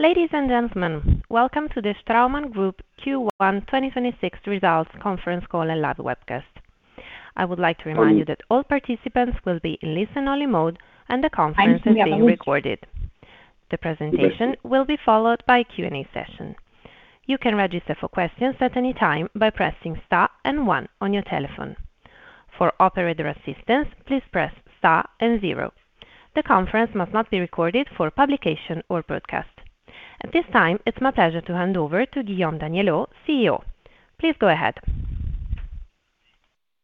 Ladies and gentlemen, welcome to the Straumann Group Q1 2026 results conference call and live webcast. I would like to remind you that all participants will be in listen-only mode, and the conference is being recorded. The presentation will be followed by a Q&A session. You can register for questions at any time by pressing star and one on your telephone. For operator assistance, please press star and zero. The conference must not be recorded for publication or broadcast. At this time, it's my pleasure to hand over to Guillaume Daniellot, CEO. Please go ahead.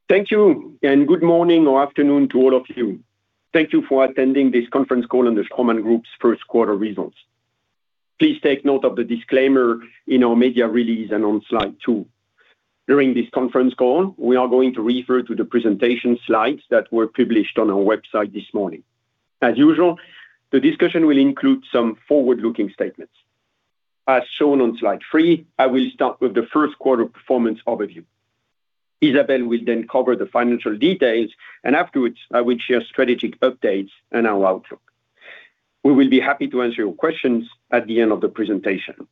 Thank you. Good morning or afternoon to all of you. Thank you for attending this conference call on the Straumann Group's first quarter results. Please take note of the disclaimer in our media release and on slide two. During this conference call, we are going to refer to the presentation slides that were published on our website this morning. As usual, the discussion will include some forward-looking statements. As shown on slide three, I will start with the first quarter performance overview. Isabelle Wege will then cover the financial details. Afterwards, I will share strategic updates and our outlook. We will be happy to answer your questions at the end of the presentation.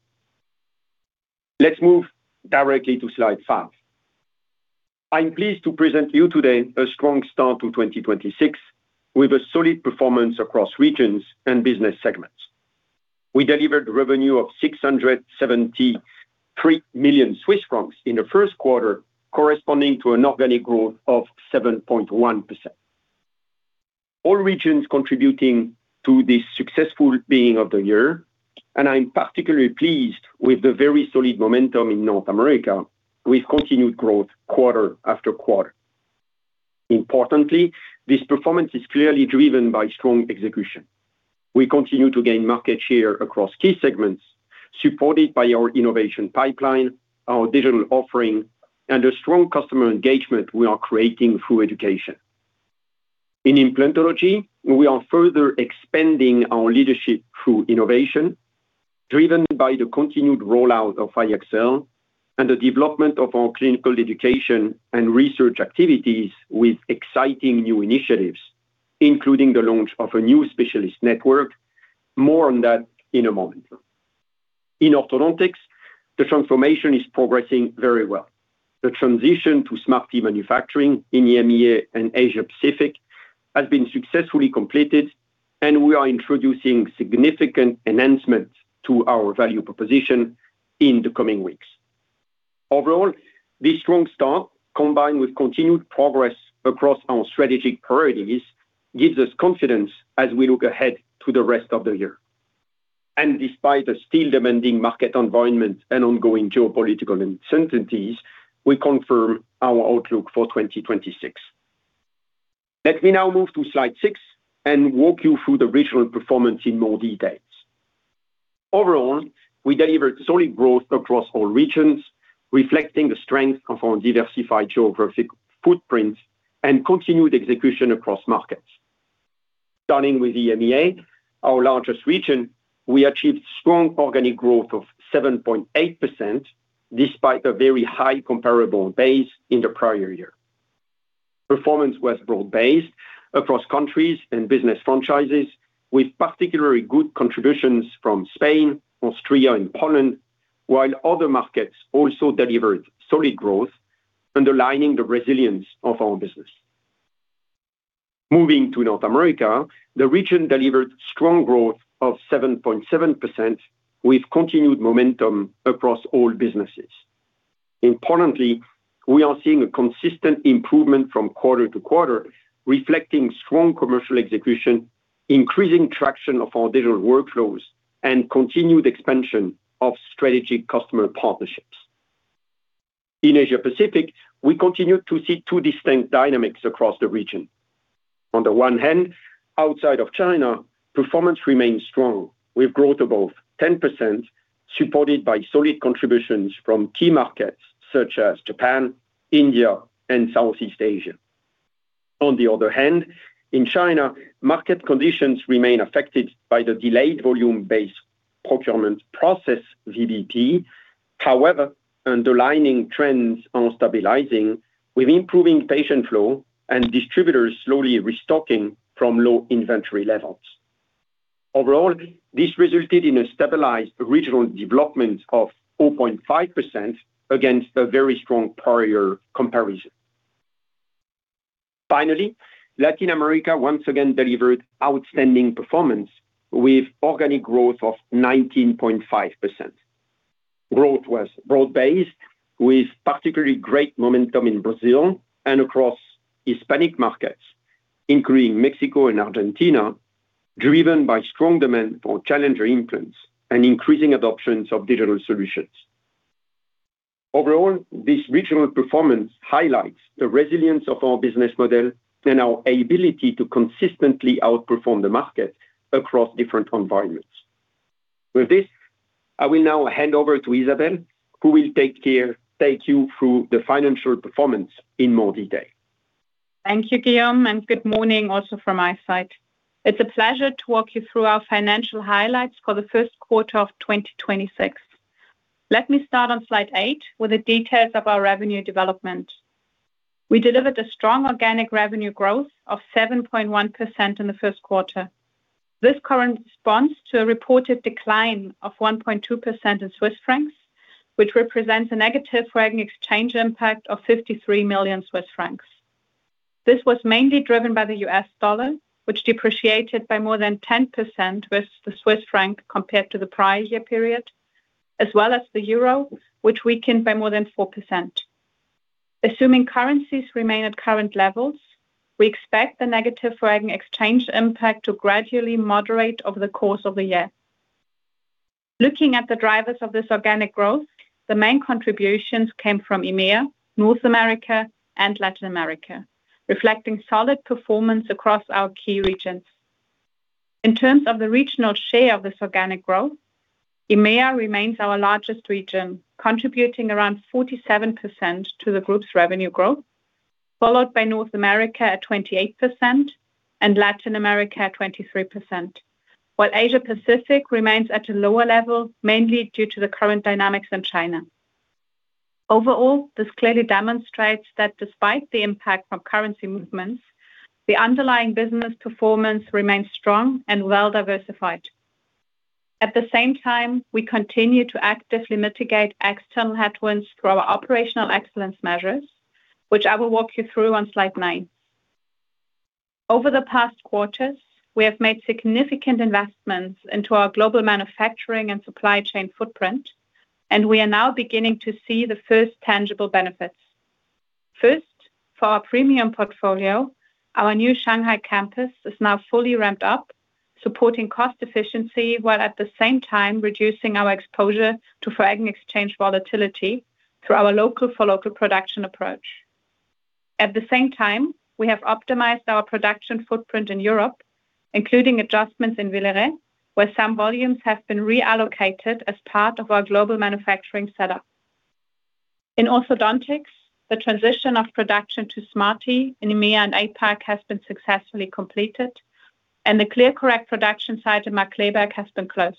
Let's move directly to slide five. I am pleased to present you today a strong start to 2026 with a solid performance across regions and business segments. We delivered revenue of 673 million Swiss francs in the first quarter, corresponding to an organic growth of 7.1%. All regions contributing to the successful beginning of the year, I'm particularly pleased with the very solid momentum in North America with continued growth quarter after quarter. Importantly, this performance is clearly driven by strong execution. We continue to gain market share across key segments, supported by our innovation pipeline, our digital offering, and a strong customer engagement we are creating through education. In Implantology, we are further expanding our leadership through innovation, driven by the continued rollout of iEXCEL and the development of our clinical education and research activities with exciting new initiatives, including the launch of a new specialist network. More on that in a moment. In Orthodontics, the transformation is progressing very well. The transition to smart manufacturing in EMEA and Asia Pacific has been successfully completed, and we are introducing significant enhancements to our value proposition in the coming weeks. Overall, this strong start, combined with continued progress across our strategic priorities, gives us confidence as we look ahead to the rest of the year. Despite a still demanding market environment and ongoing geopolitical uncertainties, we confirm our outlook for 2026. Let me now move to slide six and walk you through the regional performance in more details. Overall, we delivered solid growth across all regions, reflecting the strength of our diversified geographic footprint and continued execution across markets. Starting with EMEA, our largest region, we achieved strong organic growth of 7.8% despite a very high comparable base in the prior year. Performance was broad-based across countries and business franchises, with particularly good contributions from Spain, Austria, and Poland, while other markets also delivered solid growth, underlining the resilience of our business. Moving to North America, the region delivered strong growth of 7.7% with continued momentum across all businesses. Importantly, we are seeing a consistent improvement from quarter-to-quarter, reflecting strong commercial execution, increasing traction of our digital workflows, and continued expansion of strategic customer partnerships. In Asia Pacific, we continue to see two distinct dynamics across the region. On the one hand, outside of China, performance remains strong, with growth above 10% supported by solid contributions from key markets such as Japan, India, and Southeast Asia. On the other hand, in China, market conditions remain affected by the delayed Volume-Based Procurement process, VBP. However, underlining trends are stabilizing, with improving patient flow and distributors slowly restocking from low inventory levels. Overall, this resulted in a stabilized regional development of 4.5% against a very strong prior comparison. Finally, Latin America once again delivered outstanding performance with organic growth of 19.5%. Growth was broad-based, with particularly great momentum in Brazil and across Hispanic markets, including Mexico and Argentina. Driven by strong demand for challenging implants and increasing adoptions of digital solutions. Overall, this regional performance highlights the resilience of our business model and our ability to consistently outperform the market across different environments. With this, I will now hand over to Isabelle, who will take you through the financial performance in more detail. Thank you, Guillaume, and good morning also from my side. It's a pleasure to walk you through our financial highlights for the first quarter of 2026. Let me start on slide eight, with the details of our revenue development. We delivered a strong organic revenue growth of 7.1% in the first quarter. This corresponds to a reported decline of 1.2% in CHF, which represents a negative foreign exchange impact of 53 million Swiss francs. This was mainly driven by the U.S. dollar, which depreciated by more than 10% with the CHF compared to the prior year period, as well as the EUR, which weakened by more than 4%. Assuming currencies remain at current levels, we expect the negative foreign exchange impact to gradually moderate over the course of the year. Looking at the drivers of this organic growth, the main contributions came from EMEA, North America, and Latin America, reflecting solid performance across our key regions. In terms of the regional share of this organic growth, EMEA remains our largest region, contributing around 47% to the group's revenue growth, followed by North America at 28% and Latin America at 23%. While Asia Pacific remains at a lower level, mainly due to the current dynamics in China. Overall, this clearly demonstrates that despite the impact from currency movements, the underlying business performance remains strong and well-diversified. At the same time, we continue to actively mitigate external headwinds through our operational excellence measures, which I will walk you through on slide nine. Over the past quarters, we have made significant investments into our global manufacturing and supply chain footprint, and we are now beginning to see the first tangible benefits. First, for our premium portfolio, our new Shanghai campus is now fully ramped up. Supporting cost efficiency while at the same time reducing our exposure to foreign exchange volatility through our local for local production approach. At the same time, we have optimized our production footprint in Europe, including adjustments in Villeret, where some volumes have been reallocated as part of our global manufacturing setup. In Orthodontics, the transition of production to Smartee in EMEA and APAC has been successfully completed, and the ClearCorrect production site in Markkleeberg has been closed.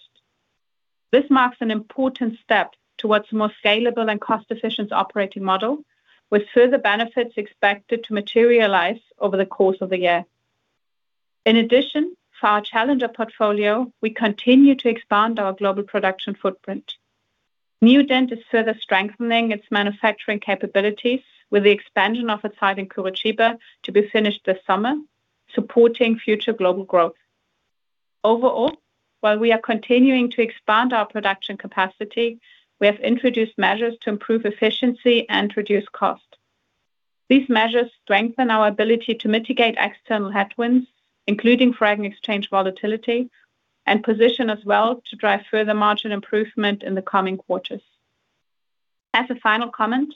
This marks an important step towards a more scalable and cost-efficient operating model, with further benefits expected to materialize over the course of the year. In addition, for our challenger portfolio, we continue to expand our global production footprint. Neodent is further strengthening its manufacturing capabilities with the expansion of its site in Curitiba to be finished this summer, supporting future global growth. Overall, while we are continuing to expand our production capacity, we have introduced measures to improve efficiency and reduce cost. These measures strengthen our ability to mitigate external headwinds, including foreign exchange volatility, and position us well to drive further margin improvement in the coming quarters. As a final comment,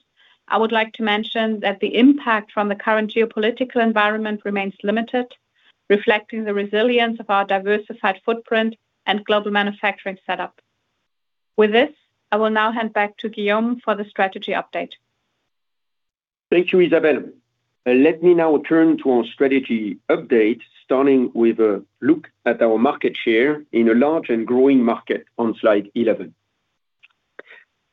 I would like to mention that the impact from the current geopolitical environment remains limited. Reflecting the resilience of our diversified footprint and global manufacturing setup. With this, I will now hand back to Guillaume for the strategy update. Thank you, Isabelle. Let me now turn to our strategy update, starting with a look at our market share in a large and growing market on slide 11.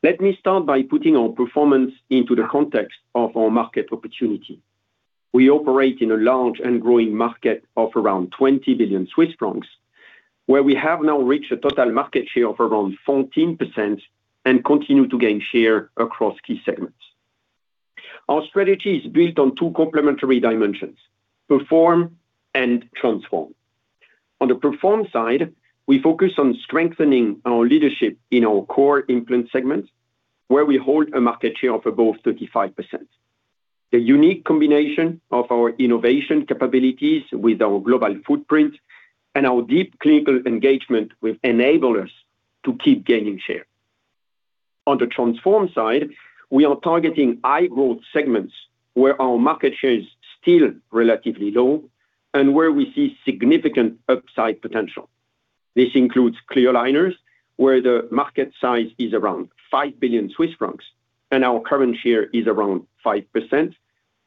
Let me start by putting our performance into the context of our market opportunity. We operate in a large and growing market of around 20 billion Swiss francs, where we have now reached a total market share of around 14% and continue to gain share across key segments. Our strategy is built on two complementary dimensions, perform and transform. On the perform side, we focus on strengthening our leadership in our Core Implant segments, where we hold a market share of above 35%. The unique combination of our innovation capabilities with our global footprint and our deep clinical engagement will enable us to keep gaining share. On the transform side, we are targeting high-growth segments where our market share is still relatively low and where we see significant upside potential. This includes clear aligners, where the market size is around 5 billion Swiss francs, and our current share is around 5%,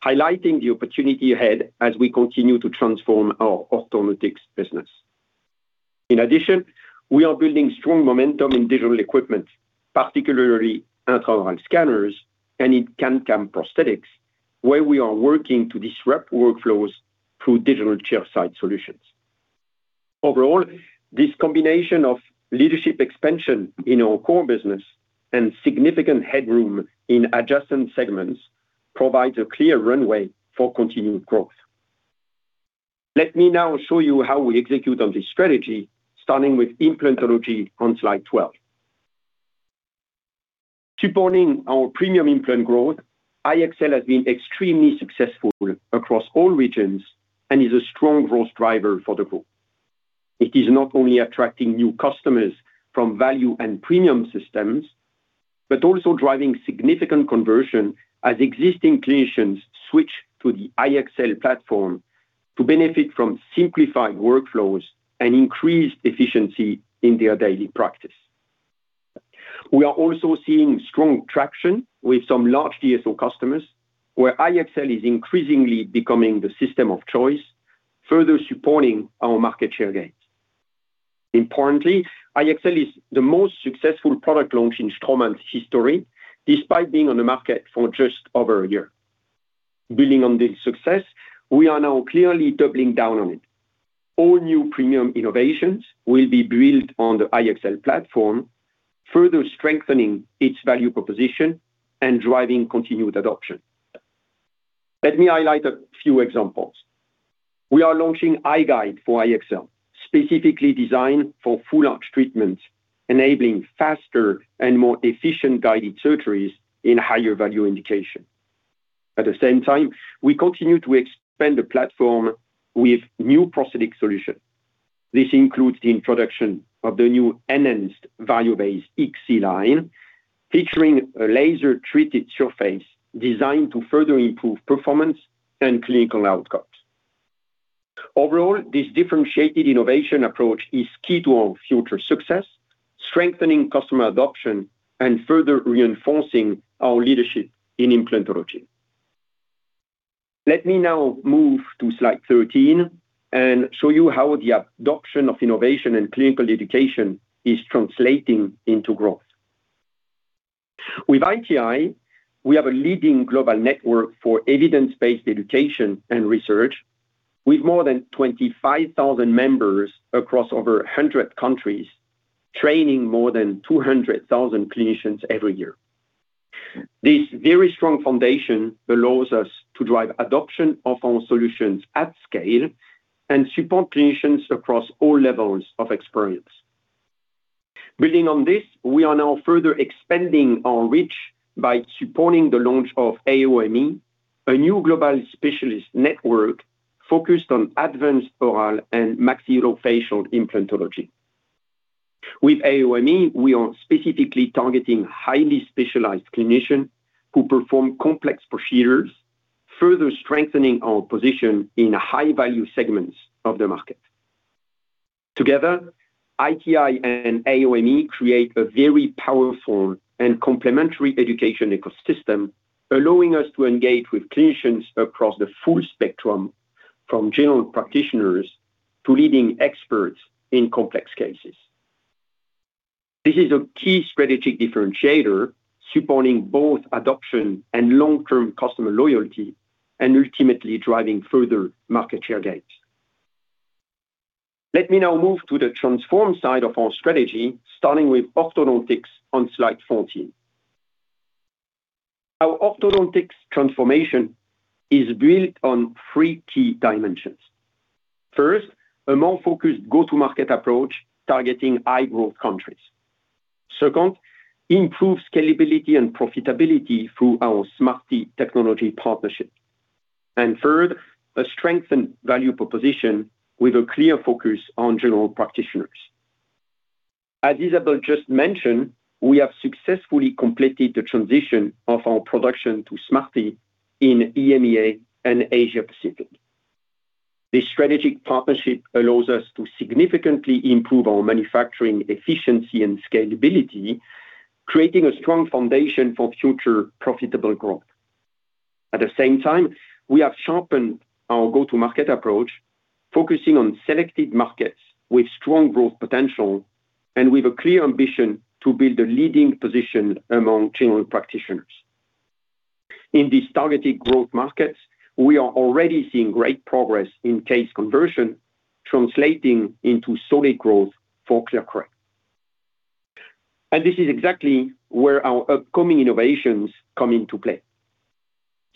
highlighting the opportunity ahead as we continue to transform our Orthodontics business. In addition, we are building strong momentum in digital equipment, particularly intraoral scanners and in CAD/CAM prosthetics, where we are working to disrupt workflows through digital chairside solutions. Overall, this combination of leadership expansion in our core business and significant headroom in adjacent segments provides a clear runway for continued growth. Let me now show you how we execute on this strategy, starting with implantology on slide 12. Supporting our premium implant growth, iEXCEL has been extremely successful across all regions and is a strong growth driver for the group. It is not only attracting new customers from value and premium systems, but also driving significant conversion as existing clinicians switch to the iEXCEL platform, to benefit from simplified workflows and increased efficiency in their daily practice. We are also seeing strong traction with some large DSO customers, where iEXCEL is increasingly becoming the system of choice, further supporting our market share gains. Importantly, iEXCEL is the most successful product launch in Straumann's history despite being on the market for just over a year. Building on this success, we are now clearly doubling down on it. All new premium innovations will be built on the iEXCEL platform, further strengthening its value proposition and driving continued adoption. Let me highlight a few examples. We are launching iGuide for iEXCEL, specifically designed for full-arch treatments, enabling faster and more efficient guided surgeries in higher value indication. At the same time, we continue to expand the platform with new prosthetic solution. This includes the introduction of the new enhanced value-based iEXCEL line, featuring a laser-treated surface designed to further improve performance and clinical outcomes. Overall, this differentiated innovation approach is key to our future success, strengthening customer adoption, and further reinforcing our leadership in implantology. Let me now move to slide 13 and show you how the adoption of innovation and clinical education is translating into growth. With ITI, we have a leading global network for evidence-based education and research, with more than 25,000 members across over 100 countries, training more than 200,000 clinicians every year. This very strong foundation allows us to drive adoption of our solutions at scale and support clinicians across all levels of experience. Building on this, we are now further expanding our reach by supporting the launch of AOMI, a new global specialist network focused on advanced oral and maxillofacial implantology. With AOMI, we are specifically targeting highly specialized clinicians who perform complex procedures, further strengthening our position in high-value segments of the market. Together, ITI and AOMI create a very powerful and complementary education ecosystem, allowing us to engage with clinicians across the full spectrum, from general practitioners to leading experts in complex cases. This is a key strategic differentiator, supporting both adoption and long-term customer loyalty, and ultimately driving further market share gains. Let me now move to the transform side of our strategy, starting with Orthodontics on slide 14. Our Orthodontics transformation is built on three key dimensions. First, a more focused go-to-market approach targeting high-growth countries. Second, improved scalability and profitability through our Smartee technology partnership. Third, a strengthened value proposition with a clear focus on general practitioners. As Isabelle just mentioned, we have successfully completed the transition of our production to Smartee in EMEA and Asia Pacific. This strategic partnership allows us to significantly improve our manufacturing efficiency and scalability, creating a strong foundation for future profitable growth. At the same time, we have sharpened our go-to-market approach, focusing on selected markets with strong growth potential and with a clear ambition to build a leading position among general practitioners. In these targeted growth markets, we are already seeing great progress in case conversion, translating into solid growth for ClearCorrect. This is exactly where our upcoming innovations come into play.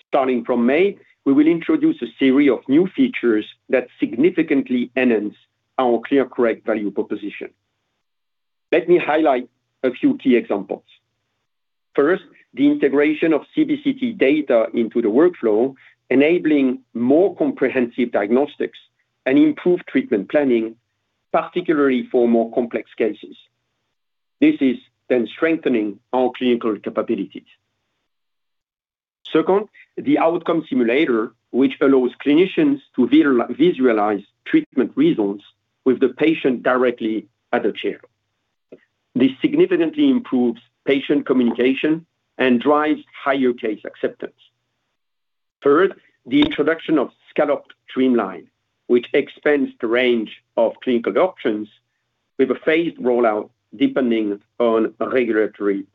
Starting from May, we will introduce a CEREC of new features that significantly enhance our ClearCorrect value proposition. Let me highlight a few key examples. First, the integration of CBCT data into the workflow, enabling more comprehensive diagnostics and improved treatment planning, particularly for more complex cases. This is strengthening our clinical capabilities. Second, the Outcome Simulator, which allows clinicians to visualize treatment results with the patient directly at the chair. This significantly improves patient communication and drives higher case acceptance. Third, the introduction of scalloped trimline, which expands the range of clinical options with a phased rollout, depending on regulatory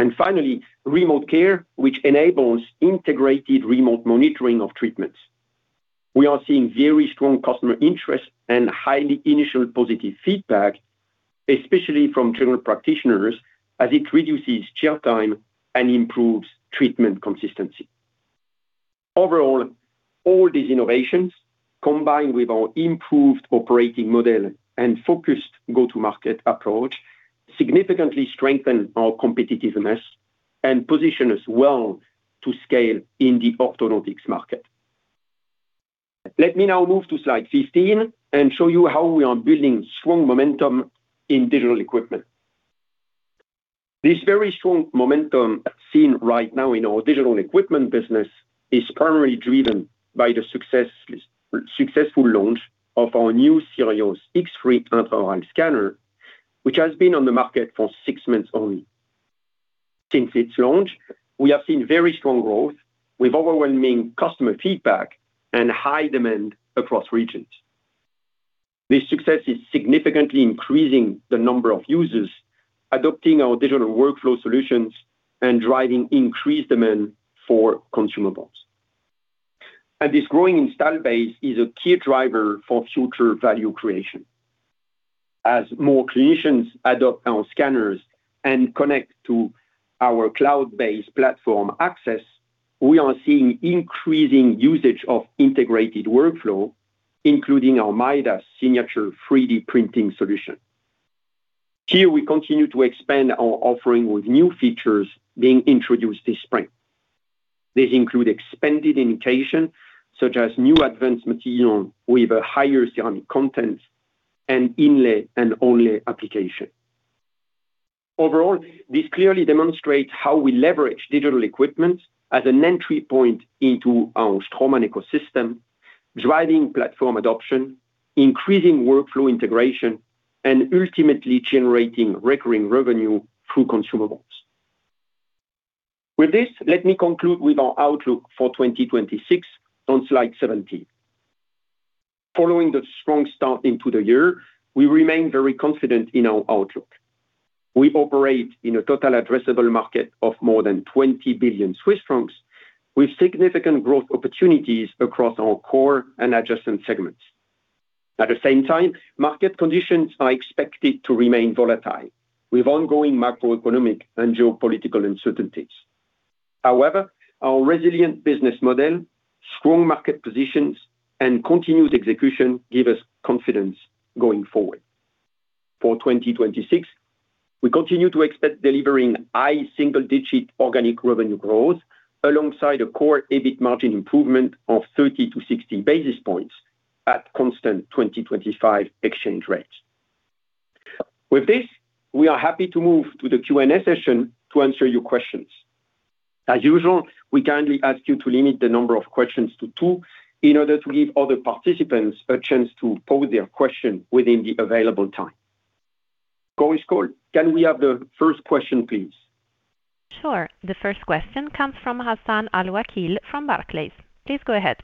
approvals. Finally, RemoteCare, which enables integrated remote monitoring of treatments. We are seeing very strong customer interest and highly initial positive feedback, especially from general practitioners, as it reduces chair time and improves treatment consistency. Overall, all these innovations, combined with our improved operating model and focused go-to-market approach, significantly strengthen our competitiveness and position us well to scale in the Orthodontics market. Let me now move to slide 15 and show you how we are building strong momentum in digital equipment. This very strong momentum seen right now in our digital equipment business is primarily driven by the successful launch of our new SIRIOS X3 intraoral scanner, which has been on the market for six months only. Since its launch, we have seen very strong growth with overwhelming customer feedback and high demand across regions. This success is significantly increasing the number of users adopting our digital workflow solutions and driving increased demand for consumables. This growing install base is a key driver for future value creation. As more clinicians adopt our scanners and connect to our cloud-based platform AXS, we are seeing increasing usage of integrated workflow, including our Midas Signature 3D printing solution. Here we continue to expand our offering with new features being introduced this spring. These include expanded indication, such as new advanced material with a higher ceramic content and inlay and onlay application. Overall, this clearly demonstrates how we leverage digital equipment as an entry point into our Straumann ecosystem, driving platform adoption, increasing workflow integration, and ultimately generating recurring revenue through consumables. With this, let me conclude with our outlook for 2026 on slide 17. Following the strong start into the year, we remain very confident in our outlook. We operate in a total addressable market of more than 20 billion Swiss francs with significant growth opportunities across our core and adjacent segments. At the same time, market conditions are expected to remain volatile, with ongoing macroeconomic and geopolitical uncertainties. However, our resilient business model, strong market positions, and continued execution give us confidence going forward. For 2026, we continue to expect delivering high single-digit organic revenue growth alongside a core EBIT margin improvement of 30 basis points-60 basis points at constant 2025 exchange rates. With this, we are happy to move to the Q&A session to answer your questions. As usual, we kindly ask you to limit the number of questions to two in order to give other participants a chance to pose their question within the available time. Chorus Call, can we have the first question, please? Sure. The first question comes from Hassan Al-Wakeel from Barclays. Please go ahead.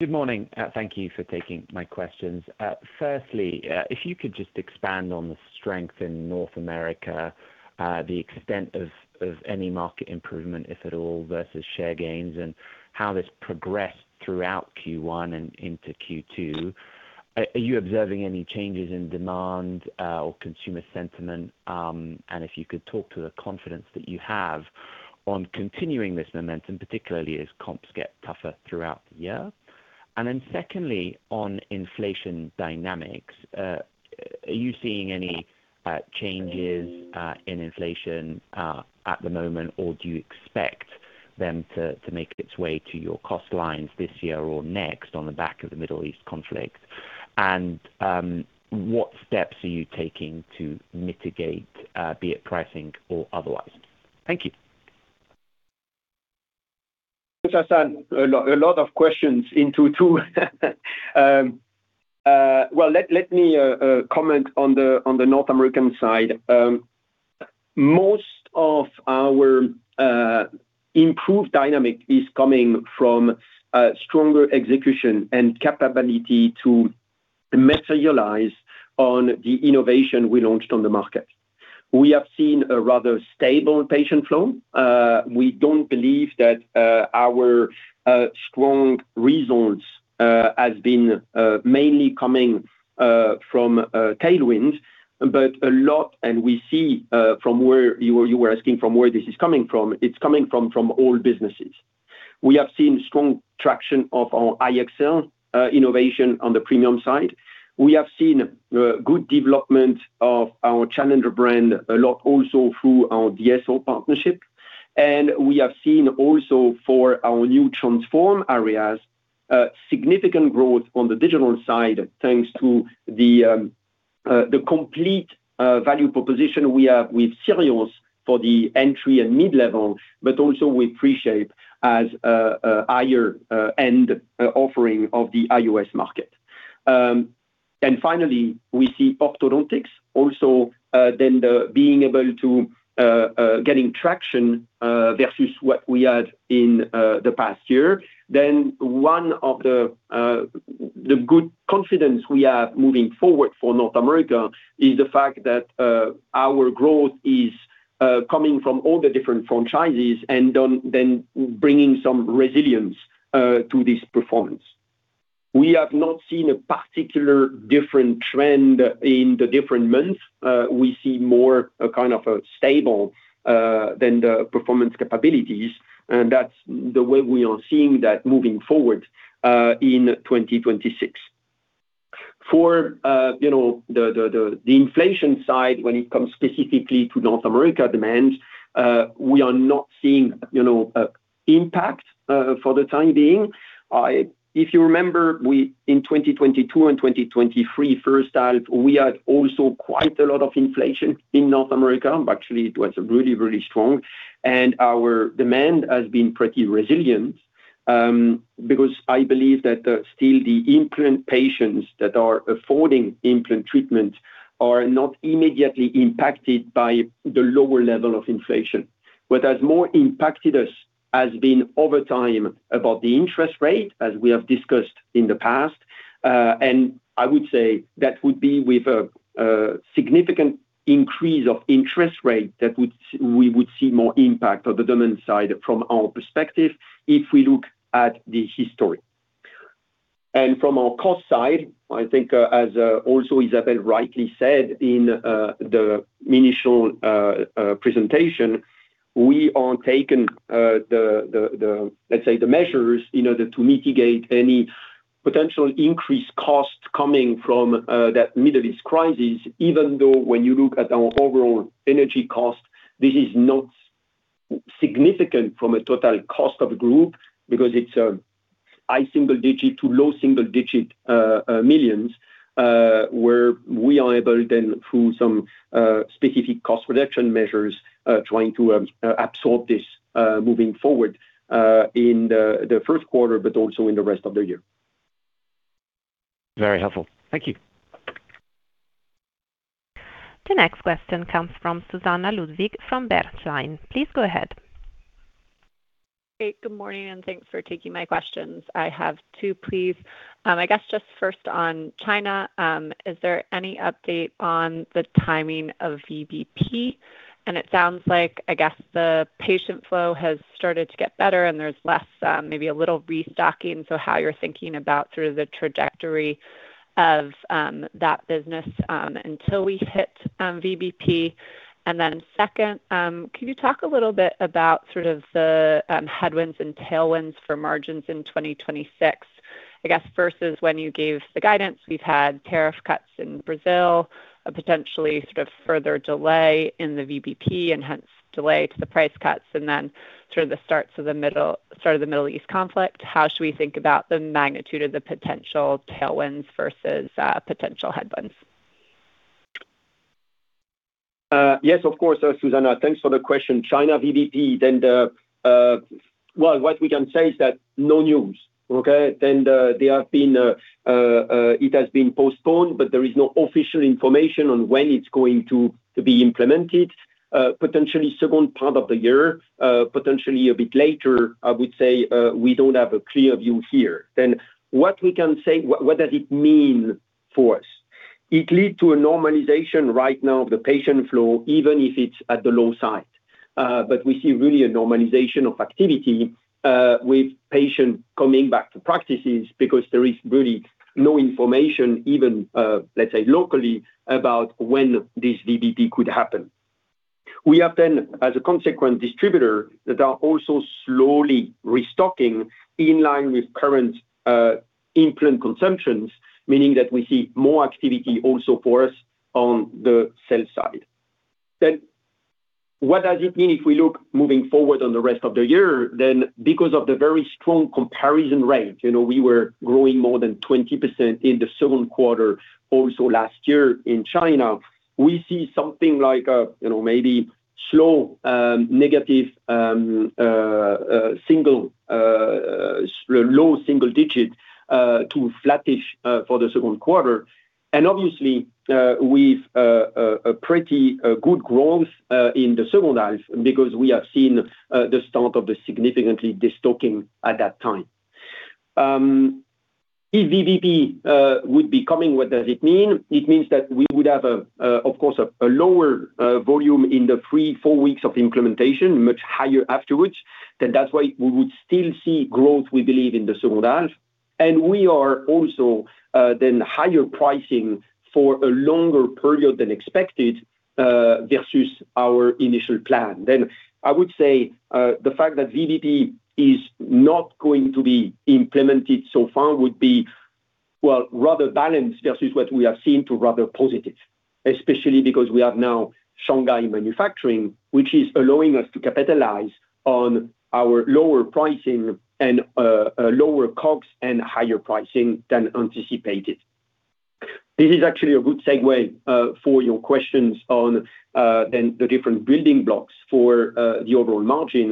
Good morning. Thank you for taking my questions. Firstly, if you could just expand on the strength in North America, the extent of any market improvement, if at all, versus share gains and how this progressed throughout Q1 and into Q2. Are you observing any changes in demand or consumer sentiment? If you could talk to the confidence that you have on continuing this momentum, particularly as comps get tougher throughout the year. Secondly, on inflation dynamics, are you seeing any changes in inflation at the moment? Or do you expect them to make its way to your cost lines this year or next on the back of the Middle East conflict? What steps are you taking to mitigate, be it pricing or otherwise? Thank you. Thanks, Hassan. A lot of questions into two. Well, let me comment on the North American side. Most of our improved dynamic is coming from stronger execution and capability to materialize on the innovation we launched on the market. We have seen a rather stable patient flow. We don't believe that our strong results has been mainly coming from tailwinds, but a lot, and we see from where you were asking from where this is coming from, it's coming from all businesses. We have seen strong traction of our iEXCEL innovation on the premium side. We have seen good development of our challenger brand Neodent also through our DSO partnership, and we have seen also for our new transform areas significant growth on the digital side. Thanks to the complete value proposition we have with SIRIOS X3 for the entry and mid-level. But also with 3Shape as a higher-end offering of the IOS market. Finally, we see Orthodontics also being able to getting traction versus what we had in the past year. One of the good confidence we have moving forward for North America is the fact that our growth is coming from all the different franchises then bringing some resilience to this performance. We have not seen a particular different trend in the different months. We see more a kind of a stable than the performance capabilities, and that's the way we are seeing that moving forward in 2026. You know, the inflation side, when it comes specifically to North America demand, we are not seeing, you know, impact for the time being. If you remember, in 2022 and 2023, first half, we had also quite a lot of inflation in North America. Actually, it was really strong, and our demand has been pretty resilient. Because I believe that still the implant patients that are affording implant treatment are not immediately impacted by the lower level of inflation. What has more impacted us has been over time about the interest rate, as we have discussed in the past. I would say that would be with a significant increase of interest rate that would we would see more impact on the demand side from our perspective if we look at the history. From our cost side, I think, as Isabelle rightly said in the initial presentation, we aren't taking the, let's say, the measures in order to mitigate any potential increased cost coming from that Middle East crisis, even though when you look at our overall energy cost. This is not significant from a total cost of group because it's a high-single digit to low-single digit millions, where we are able then through some specific cost reduction measures, trying to absorb this moving forward in the first quarter but also in the rest of the year. Very helpful. Thank you. The next question comes from Susannah Ludwig from Bernstein. Please go ahead. Hey, good morning, and thanks for taking my questions. I have two, please. I guess just first on China, is there any update on the timing of VBP? It sounds like, I guess, the patient flow has started to get better, and there's less, maybe a little restocking. How you're thinking about sort of the trajectory of that business until we hit VBP. Second, can you talk a little bit about sort of the headwinds and tailwinds for margins in 2026, I guess, versus when you gave the guidance. We've had tariff cuts in Brazil, a potentially sort of further delay in the VBP and hence delay to the price cuts, sort of the start of the Middle East conflict. How should we think about the magnitude of the potential tailwinds versus potential headwinds? Yes, of course, Susannah. Thanks for the question. China VBP, what we can say is that no news. Okay. They have been, it has been postponed, but there is no official information on when it's going to be implemented. Potentially second part of the year, potentially a bit later, I would say. We don't have a clear view here. What we can say, what does it mean for us? It leads to a normalization right now of the patient flow, even if it's at the low side. We see really a normalization of activity with patients coming back to practices because there is really no information even, let's say, locally about when this VBP could happen. We have, as a consequent distributor, that are also slowly restocking in line with current implant consumptions, meaning that we see more activity also for us on the sales side. What does it mean if we look moving forward on the rest of the year? Because of the very strong comparison rate, you know, we were growing more than 20% in Q2 also last year in China. We see something like, you know, maybe slow, negative, low-single digit to flattish for Q2. Obviously, with a pretty good growth in second half because we have seen the start of the significantly destocking at that time. If VBP would be coming, what does it mean? It means that we would have, of course, a lower volume in the three, four weeks of implementation, much higher afterwards. That's why we would still see growth, we believe, in the second half. We are also then higher pricing for a longer period than expected versus our initial plan. I would say, the fact that VBP is not going to be implemented so far would be, well, rather balanced versus what we have seen to rather positive, especially because we have now Shanghai manufacturing, which is allowing us to capitalize on our lower pricing and lower costs and higher pricing than anticipated. This is actually a good segue for your questions on then the different building blocks for the overall margin.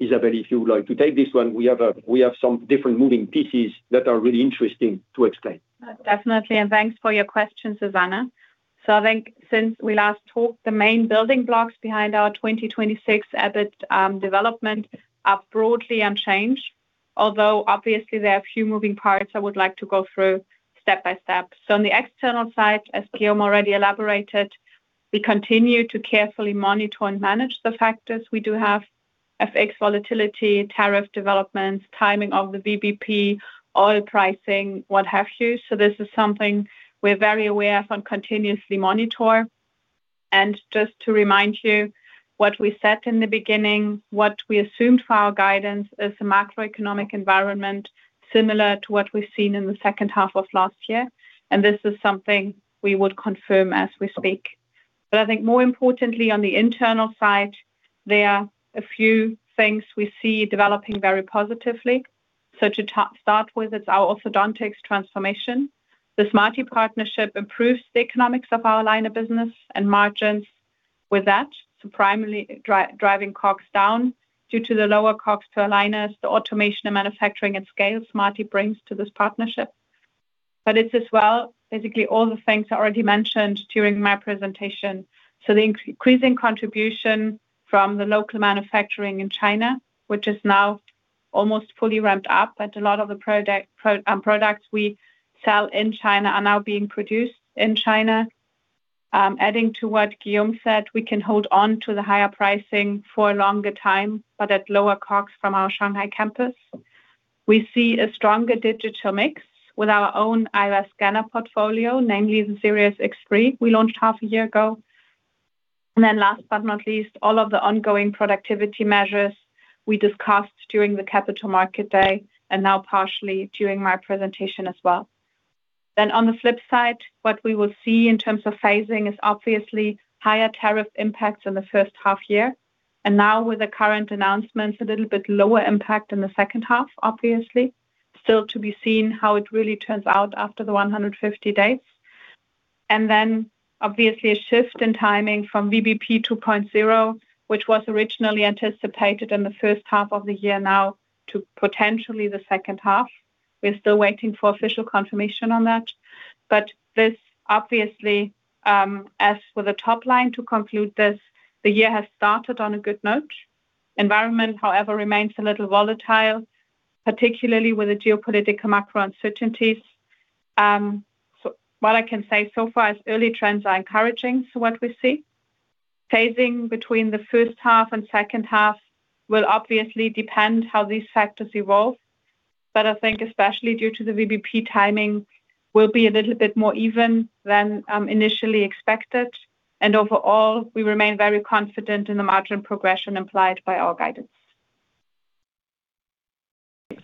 Isabelle, if you would like to take this one, we have some different moving pieces that are really interesting to explain. Definitely. Thanks for your question, Susannah. I think since we last talked, the main building blocks behind our 2026 EBIT development are broadly unchanged, although obviously there are a few moving parts I would like to go through step by step. On the external side, as Guillaume already elaborated, we continue to carefully monitor and manage the factors. We do have FX volatility, tariff developments, timing of the VBP, oil pricing, what have you. This is something we're very aware of and continuously monitor. Just to remind you what we said in the beginning, what we assumed for our guidance is a macroeconomic environment similar to what we've seen in the second half of last year, and this is something we would confirm as we speak. I think more importantly on the internal side, there are a few things we see developing very positively. To start with, it's our Orthodontics transformation. The Smartee partnership improves the economics of our line of business and margins. With that, primarily driving costs down due to the lower costs to align us to automation and manufacturing at scale Smartee brings to this partnership. It's as well, basically all the things I already mentioned during my presentation. The increasing contribution from the local manufacturing in China, which is now almost fully ramped up. A lot of the products we sell in China are now being produced in China. Adding to what Guillaume said, we can hold on to the higher pricing for a longer time, but at lower costs from our Shanghai campus. We see a stronger digital mix with our own IOS scanner portfolio, namely the Straumann SIRIOS X3 we launched half a year ago. Last but not least, all of the ongoing productivity measures we discussed during the Capital Markets Day and now partially during my presentation as well. On the flip side, what we will see in terms of phasing is obviously higher tariff impacts in the first half year. Now with the current announcements, a little bit lower impact in the second half, obviously. Still to be seen how it really turns out after the 150 days. Obviously, a shift in timing from VBP 2.0, which was originally anticipated in the first half of the year now to potentially the second half. We're still waiting for official confirmation on that. This obviously, as for the top line to conclude this, the year has started on a good note. Environment, however, remains a little volatile, particularly with the geopolitical macro uncertainties. What I can say so far is early trends are encouraging, so what we see. Phasing between the first half and second half will obviously depend how these factors evolve. I think especially due to the VBP timing, will be a little bit more even than initially expected. Overall, we remain very confident in the margin progression implied by our guidance.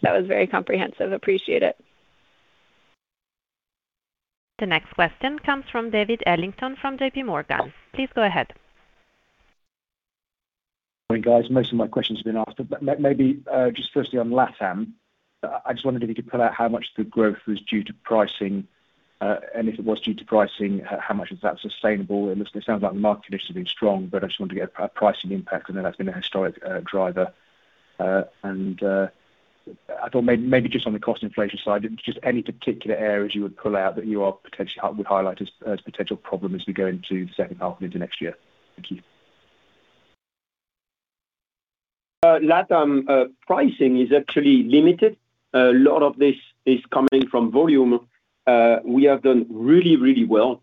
That was very comprehensive. Appreciate it. The next question comes from David Adlington from JPMorgan. Please go ahead. Morning, guys. Most of my questions have been asked, but maybe just firstly on LATAM, I just wondered if you could pull out how much the growth was due to pricing, and if it was due to pricing, how much is that sustainable? It sounds like the market issue has been strong, but I just wanted to get a pricing impact, I know that's been a historic driver. I thought maybe just on the cost inflation side, just any particular areas you would pull out that you are potentially would highlight as potential problem as we go into the second half into next year. Thank you. LATAM pricing is actually limited. A lot of this is coming from volume. We have done really, really well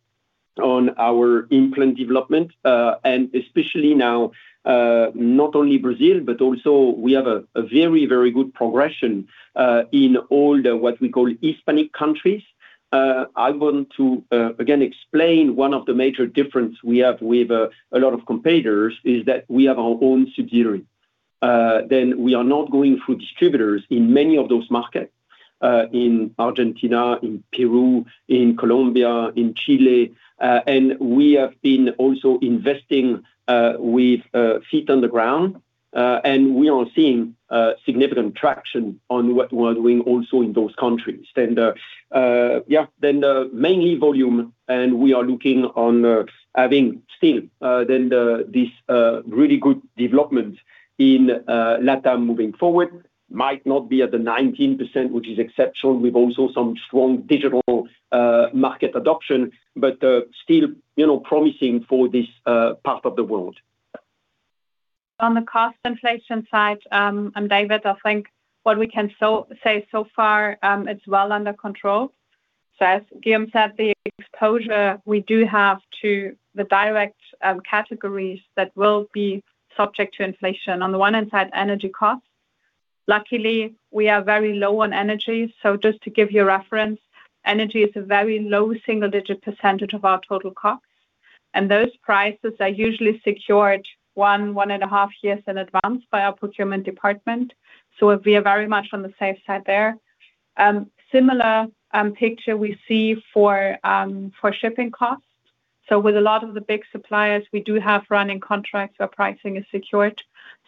on our implant development, and especially now, not only Brazil, but also we have a very, very good progression in all the, what we call Hispanic countries. I want to again explain one of the major difference we have with a lot of competitors is that we have our own subsidiary. We are not going through distributors in many of those markets, in Argentina, in Peru, in Colombia, in Chile. We have been also investing with feet on the ground, and we are seeing significant traction on what we're doing also in those countries. Yeah, then the mainly volume, and we are looking on having still then the, this, really good development in LATAM moving forward. Might not be at the 19%, which is exceptional. We've also some strong digital market adoption, but still, you know, promising for this part of the world. On the cost inflation side, David, I think what we can say so far, it's well under control. As Guillaume said, the exposure we do have to the direct categories that will be subject to inflation. On the one hand side, energy costs. Luckily, we are very low on energy. Just to give you a reference, energy is a very low-single digit percentage of our total costs. Those prices are usually secured 1.5 years in advance by our procurement department. We are very much on the safe side there. Similar picture we see for shipping costs. With a lot of the big suppliers, we do have running contracts where pricing is secured.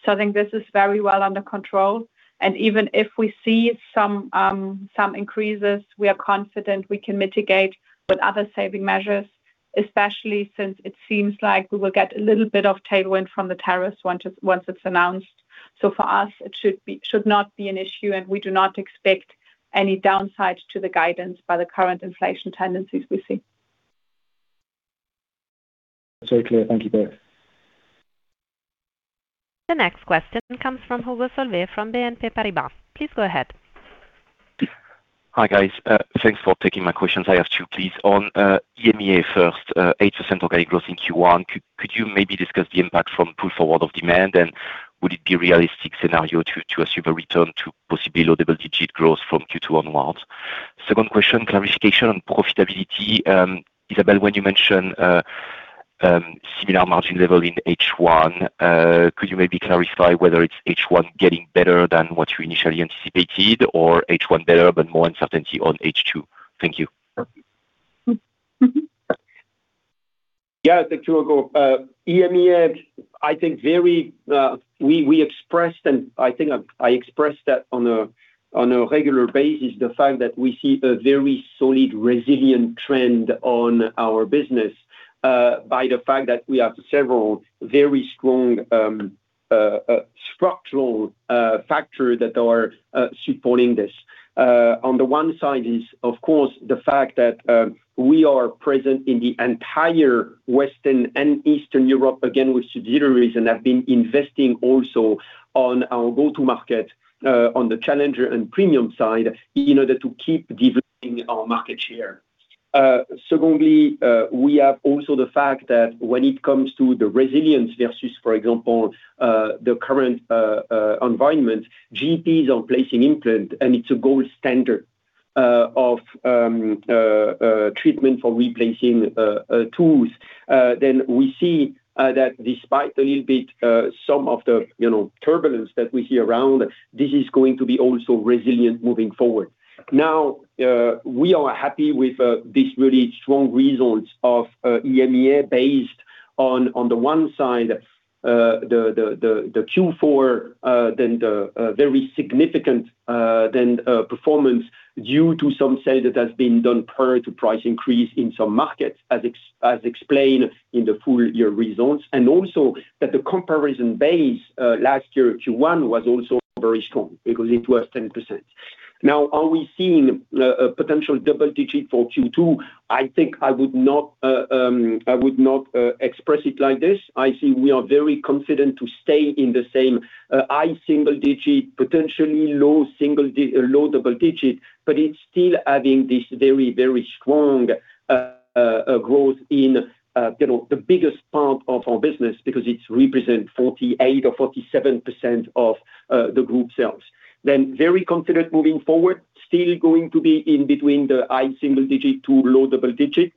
I think this is very well under control. Even if we see some increases, we are confident we can mitigate with other saving measures, especially since it seems like we will get a little bit of tailwind from the tariffs once it's announced. For us, it should not be an issue, and we do not expect any downside to the guidance by the current inflation tendencies we see. Very clear. Thank you both. The next question comes from Hugo Solvet from BNP Paribas. Please go ahead. Hi, guys. Thanks for taking my questions. I have two, please. On EMEA first, 8% organic growth in Q1, could you maybe discuss the impact from pull forward of demand, and would it be a realistic scenario to assume a return to possibly low-double digit growth from Q2 onwards? Second question, clarification on profitability. Isabelle, when you mentioned similar margin level in H1, could you maybe clarify whether it's H1 getting better than what you initially anticipated or H1 better but more uncertainty on H2? Thank you. Yeah, thank you, Hugo. EMEA, I think very, we expressed, and I think I expressed that on a regular basis, the fact that we see a very solid, resilient trend on our business. By the fact that we have several very strong structural factor that are supporting this. On the one side is, of course, the fact that we are present in the entire Western and Eastern Europe, again, with surgeries, and have been investing also on our go-to market, on the challenger and premium side in order to keep developing our market share. Secondly, we have also the fact that when it comes to the resilience versus, for example, the current environment, GPs are placing implant, and it's a gold standard of treatment for replacing teeth. We see that despite a little bit, some of the, you know, turbulence that we see around, this is going to be also resilient moving forward. We are happy with this really strong results of EMEA based on the one side, the Q4. Then the very significant performance due to some sales that has been done prior to price increase in some markets, as explained in the full year results, and also that the comparison base last year Q1 was also very strong because it was 10%. Are we seeing a potential double digit for Q2? I think I would not express it like this. I think we are very confident to stay in the same high single digit, potentially low-double digit, but it's still having this very, very strong growth in. The biggest part of our business because it's represent 48% or 47% of the group sales. Very confident moving forward, still going to be in between the high-single digit to low-double digit.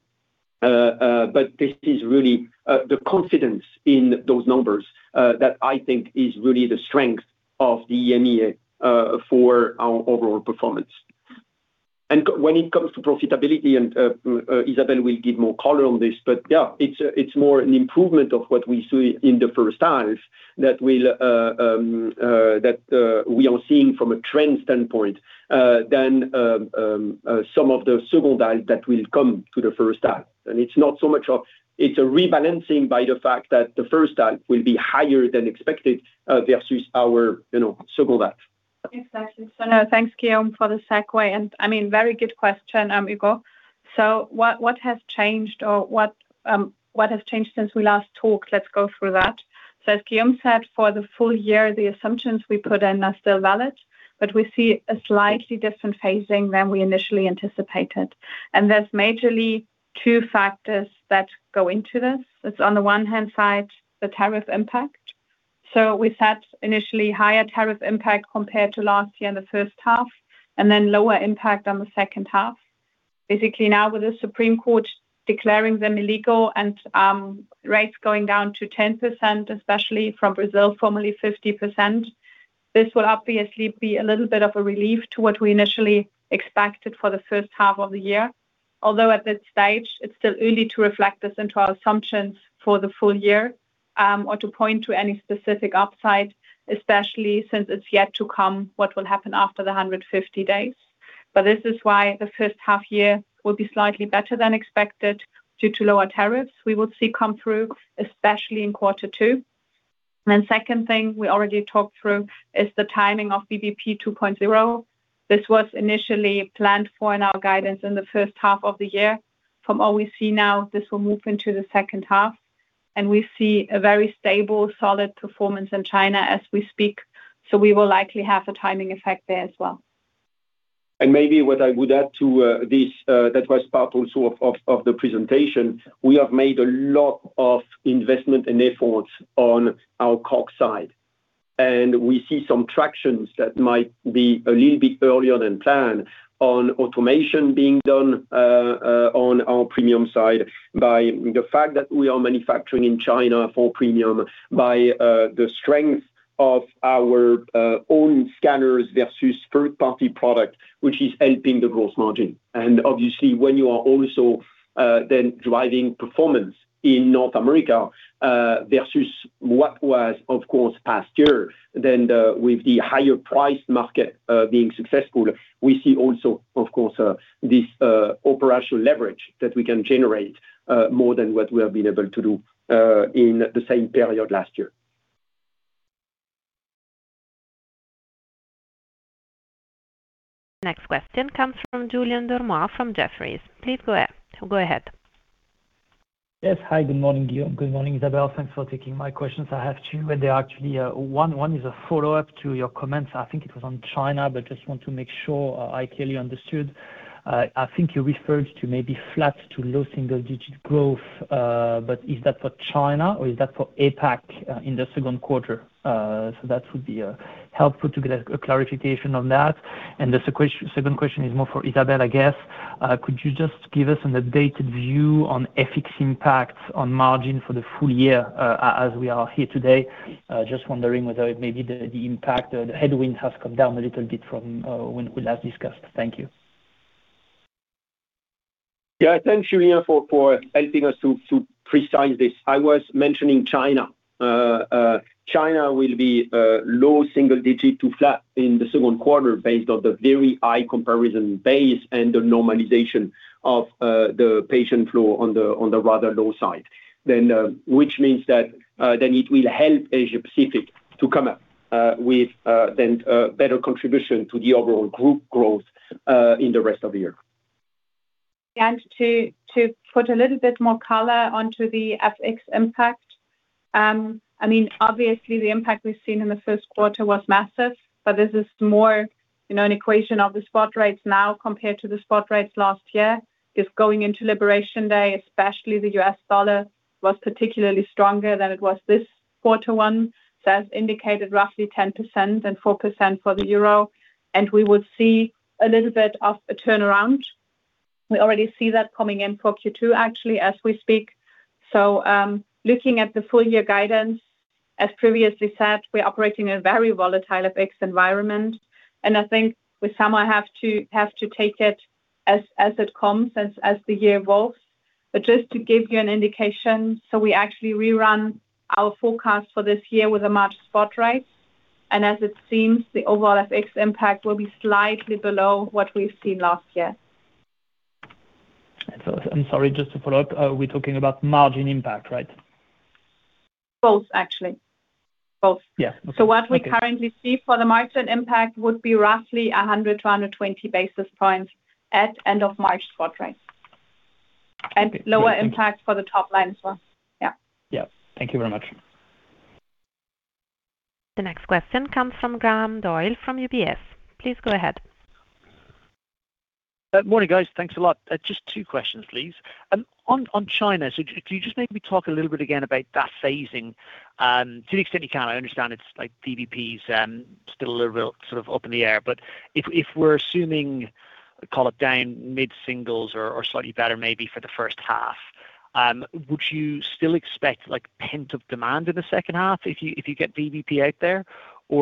This is really the confidence in those numbers that I think is really the strength of the EMEA for our overall performance. When it comes to profitability, Isabelle will give more color on this. But it's more an improvement of what we see in the first half that we are seeing from a trend standpoint than some of the second half that will come to the first half. It's not so much it's a rebalancing by the fact that the first half will be higher than expected versus our, you know, second half. Exactly. No, thanks, Guillaume, for the segue, and I mean, very good question, Hugo. What has changed since we last talked? Let's go through that. As Guillaume said, for the full year, the assumptions we put in are still valid, but we see a slightly different phasing than we initially anticipated. There's majorly two factors that go into this. It's on the one hand side, the tariff impact. We set initially higher tariff impact compared to last year in the first half, and then lower impact on the second half. Basically, now with the Supreme Court declaring them illegal and rates going down to 10%, especially from Brazil, formerly 50%, this will obviously be a little bit of a relief to what we initially expected for the first half of the year. At this stage, it's still early to reflect this into our assumptions for the full year, or to point to any specific upside, especially since it's yet to come what will happen after the 150 days. This is why the first half year will be slightly better than expected due to lower tariffs we will see come through, especially in Q2. Second thing we already talked through is the timing of VBP 2.0. This was initially planned for in our guidance in the first half of the year. From all we see now, this will move into the second half, and we see a very stable, solid performance in China as we speak, so we will likely have a timing effect there as well. Maybe what I would add to this that was part also of the presentation, we have made a lot of investment and efforts on our cost side. We see some traction that might be a little bit earlier than planned on automation being done on our premium side by the fact that we are manufacturing in China for premium. By the strength of our own scanners versus third-party product, which is helping the gross margin. Obviously, when you are also then driving performance in North America versus what was, of course, past year, then with the higher priced market being successful. We see also, of course, this operational leverage that we can generate more than what we have been able to do in the same period last year. Next question comes from Julien Dormois from Jefferies. Please go ahead. Yes. Hi, good morning, Guillaume. Good morning, Isabelle. Thanks for taking my questions. I have two, and they are actually, one is a follow-up to your comments. I think it was on China, but just want to make sure I clearly understood. I think you referred to maybe flat to low-single digit growth, but is that for China, or is that for APAC, in the second quarter? That would be helpful to get a clarification on that. The second question is more for Isabelle, I guess. Could you just give us an updated view on FX impact on margin for the full year, as we are here today? Just wondering whether maybe the impact or the headwind has come down a little bit from, when we last discussed. Thank you. Thanks, Julien, for helping us to precise this. I was mentioning China. China will be low-single digit to flat in the second quarter based off the very high comparison base and the normalization of the patient flow on the rather low side. Which means that then it will help Asia Pacific to come up with then a better contribution to the overall group growth in the rest of the year. To put a little bit more color onto the FX impact, I mean, obviously the impact we've seen in the first quarter was massive. But this is more, you know, an equation of the spot rates now compared to the spot rates last year, is going into Liberation Day, especially the U.S. dollar was particularly stronger than it was this quarter. One, indicated roughly 10% and 4% for the euro, we will see a little bit of a turnaround. We already see that coming in for Q2 actually as we speak. Looking at the full year guidance, as previously said, we're operating a very volatile FX environment. I think with some I have to take it as it comes as the year evolves. Just to give you an indication, we actually rerun our forecast for this year with the March spot rates. As it seems, the overall FX impact will be slightly below what we've seen last year. I'm sorry, just to follow up, are we talking about margin impact, right? Both, actually. Both. Yeah. Okay. What we currently see for the margin impact would be roughly 100 basis points-120 basis points at end of March spot rate. Lower impact for the top line as well. Yeah. Yeah. Thank you very much. The next question comes from Graham Doyle from UBS. Please go ahead. Morning, guys. Thanks a lot. Just two questions, please. On China, could you just maybe talk a little bit again about that phasing to the extent you can. I understand it's like VBP's still a little bit sort of up in the air. If we're assuming, call it down mid-singles or slightly better maybe for the first half, would you still expect like pent-up demand in the second half if you get VBP out there?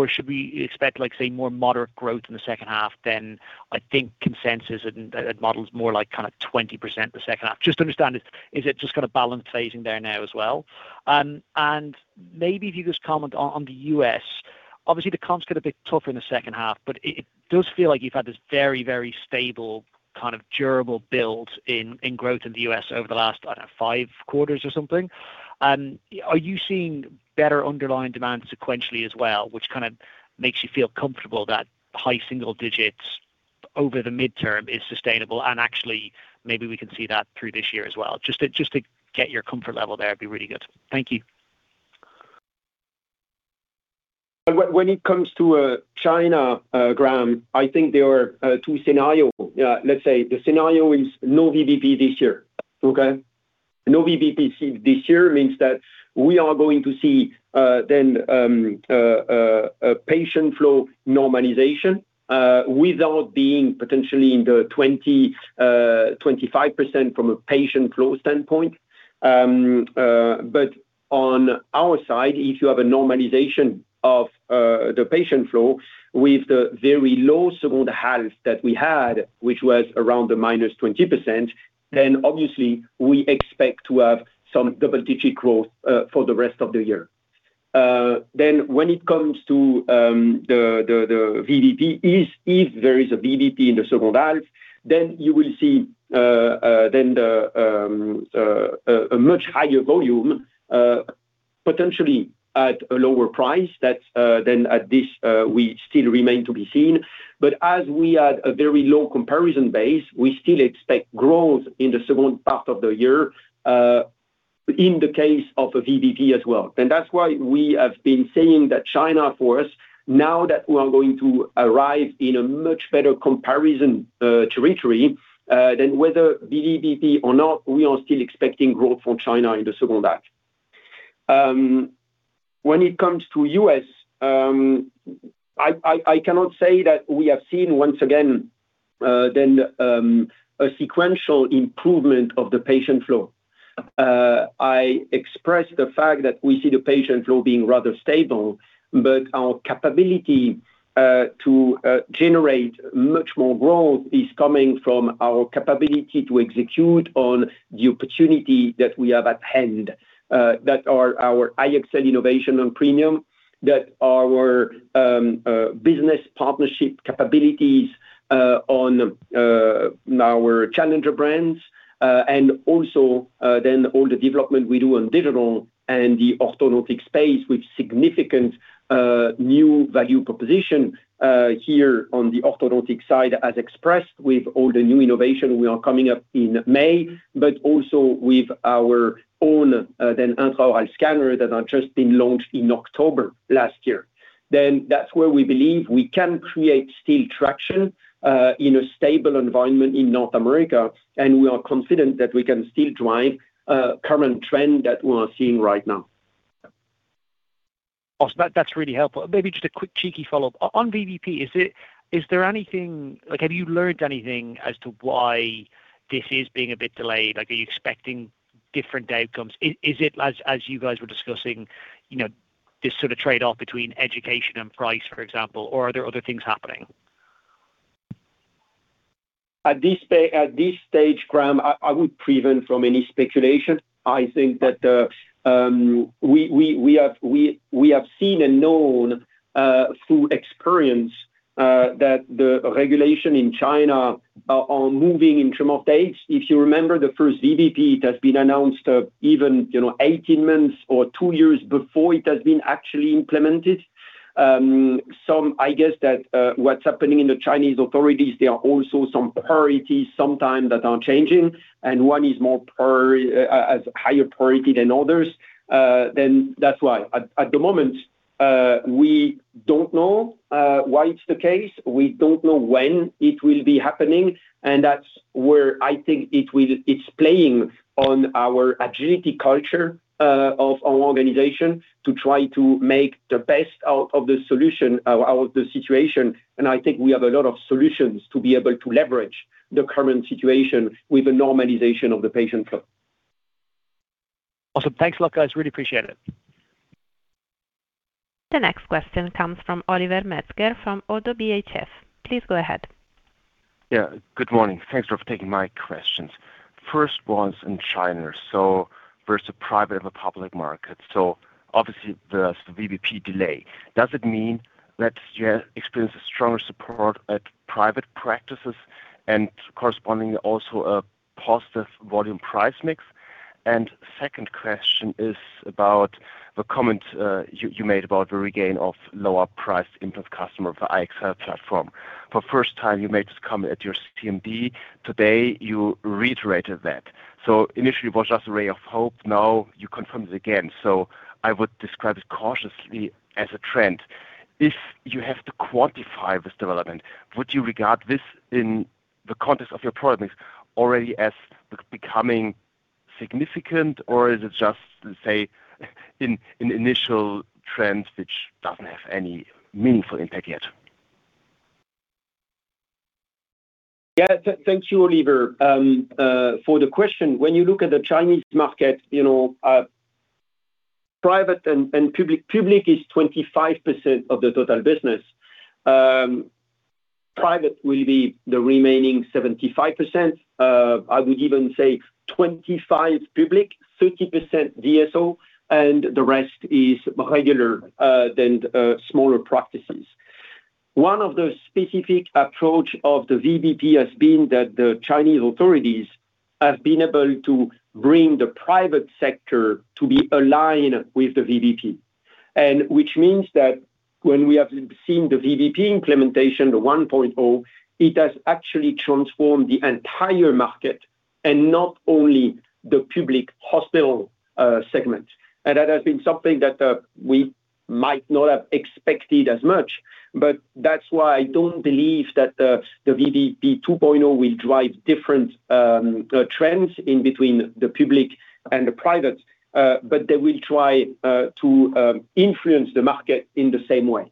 Should we expect like, say, more moderate growth in the second half than I think consensus and models more like kind of 20% the second half? Just understand, is it just kind of balanced phasing there now as well? And maybe if you just comment on the U.S. The comps get a bit tougher in the second half, but it does feel like you've had this very, very stable kind of durable build in growth in the U.S. over the last, I don't know, five quarters or something. Are you seeing better underlying demand sequentially as well, which kind of makes you feel comfortable that high-single digits over the midterm is sustainable, and actually maybe we can see that through this year as well? Just to get your comfort level there, it'd be really good. Thank you. When it comes to China, Graham, I think there are two scenario. Let's say the scenario is no VBP this year. Okay. No VBP this year means that we are going to see then a patient flow normalization without being potentially in the 20%-25% from a patient flow standpoint. On our side, if you have a normalization of the patient flow with the very low second half that we had. Which was around the -20%, then obviously we expect to have some double-digit growth for the rest of the year. When it comes to the VBP, if there is a VBP in the second half, you will see a much higher volume, potentially at a lower price. We still remain to be seen. As we had a very low comparison base, we still expect growth in the second part of the year, in the case of a VBP as well. That's why we have been saying that China for us, now that we are going to arrive in a much better comparison territory, then whether VBP or not, we are still expecting growth from China in the second half. When it comes to U.S., I cannot say that we have seen once again a sequential improvement of the patient flow. I expressed the fact that we see the patient flow being rather stable, but our capability to generate much more growth is coming from our capability to execute on the opportunity that we have at hand. That are our iEXCEL innovation on premium, that our business partnership capabilities on our challenger brands, and also all the development we do on digital and the Orthodontic space with significant new value proposition here on the Orthodontic side as expressed with all the new innovation we are coming up in May. But also with our own intraoral scanner that has just been launched in October last year. That's where we believe we can create still traction in a stable environment in North America, and we are confident that we can still drive a current trend that we are seeing right now. Awesome. That's really helpful. Maybe just a quick cheeky follow-up. On VBP, is there anything? Like, have you learned anything as to why this is being a bit delayed? Like, are you expecting different outcomes? Is it as you guys were discussing, you know, this sort of trade-off between education and price, for example, or are there other things happening? At this stage, Graham, I would prevent from any speculation. I think that we have seen and known through experience that the regulation in China are moving in terms of dates. If you remember the first VBP that's been announced, even, you know, 18 months or 2 years before it has been actually implemented. I guess that what's happening in the Chinese authorities, there are also some priorities sometime that are changing. And one is more has higher priority than others, then that's why. At the moment, we don't know why it's the case. We don't know when it will be happening, that's where I think it's playing on our agility culture of our organization to try to make the best out of the solution, out of the situation. I think we have a lot of solutions to be able to leverage the current situation with the normalization of the patient flow. Awesome. Thanks a lot, guys. Really appreciate it. The next question comes from Oliver Metzger from ODDO BHF. Please go ahead. Good morning. Thanks for taking my questions. First one's in China. Versus private and the public market. Obviously there's the VBP delay. Does it mean that you experience a stronger support at private practices and corresponding also a positive volume price mix? Second question is about the comment you made about the regain of lower price implant customer for iEXCEL platform. For first time you made this comment at your CMD. Today, you reiterated that. Initially it was just a ray of hope. Now you confirmed it again. I would describe it cautiously as a trend. If you have to quantify this development, would you regard this in the context of your product mix already as becoming significant, or is it just, let's say, in initial trends which doesn't have any meaningful impact yet? Yeah. Thank you, Oliver, for the question. When you look at the Chinese market, you know, private and public. Public is 25% of the total business. Private will be the remaining 75%. I would even say 25 public, 30% DSO, and the rest is regular than smaller practices. One of the specific approach of the VBP has been that the Chinese authorities have been able to bring the private sector to be aligned with the VBP. Which means that when we have seen the VBP implementation, the 1.0, it has actually transformed the entire market and not only the public hospital segment. That has been something that we might not have expected as much, but that's why I don't believe that the VBP 2.0 will drive different trends in between the public and the private, but they will try to influence the market in the same way.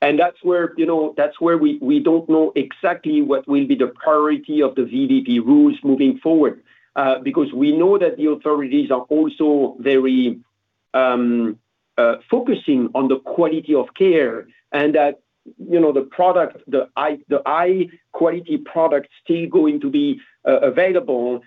That's where, you know, that's where we don't know exactly what will be the priority of the VBP rules moving forward, because we know that the authorities are also very focusing on the quality of care and that, you know, the high quality product still going to be available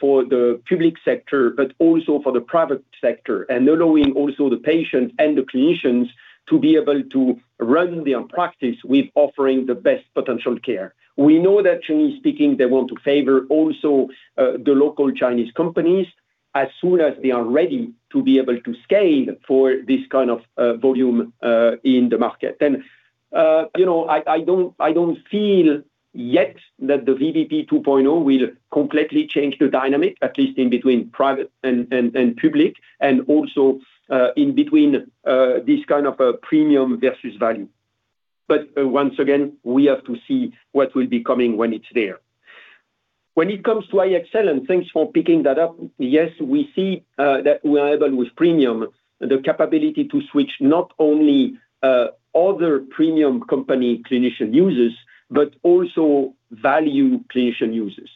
for the public sector, but also for the private sector. Allowing also the patients and the clinicians to be able to run their practice with offering the best potential care. We know that Chinese, speaking, they want to favor also the local Chinese companies as soon as they are ready to be able to scale for this kind of volume in the market. I don't feel yet that the VBP 2.0 will completely change the dynamic, at least in between private and public and also in between this kind of a premium versus value. Once again, we have to see what will be coming when it's there. When it comes to iEXCEL, and thanks for picking that up. Yes, we see that we are able, with premium, the capability to switch not only other premium company clinician users, but also value clinician users.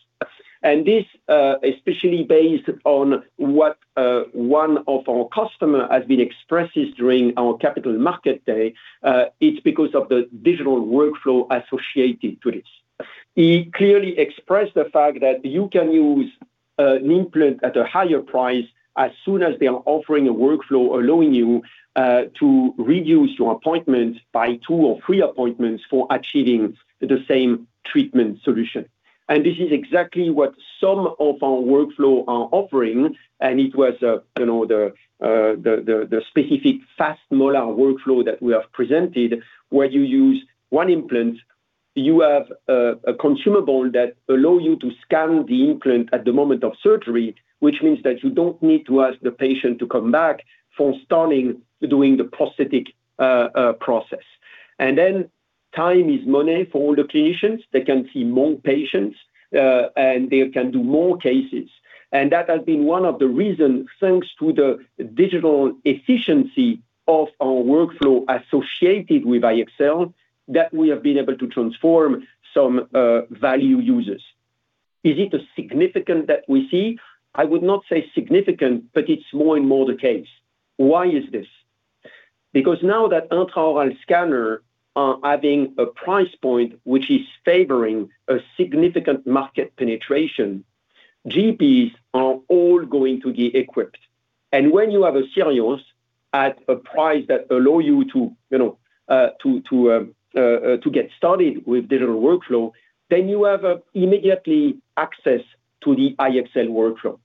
This, especially based on what, one of our customer has been expresses during our Capital Markets Day, it's because of the digital workflow associated to this. He clearly expressed the fact that you can use an implant at a higher price as soon as they are offering a workflow allowing you to reduce your appointment by two or three appointments for achieving the same treatment solution. This is exactly what some of our workflow are offering, and it was, you know, the specific Fast Molar workflow that we have presented, where you use one implant, you have a consumable that allow you to scan the implant at the moment of surgery, which means that you don't need to ask the patient to come back for starting doing the prosthetic process. Time is money for all the clinicians. They can see more patients, and they can do more cases. That has been one of the reason, thanks to the digital efficiency of our workflow associated with iEXCEL, that we have been able to transform some value users. Is it a significant that we see? I would not say significant, but it's more and more the case. Why is this? Because now that intraoral scanner are having a price point which is favoring a significant market penetration, GPs are all going to be equipped. When you have a series at a price that allow you to, you know, to get started with digital workflow, then you have immediate access to the iEXCEL workflow.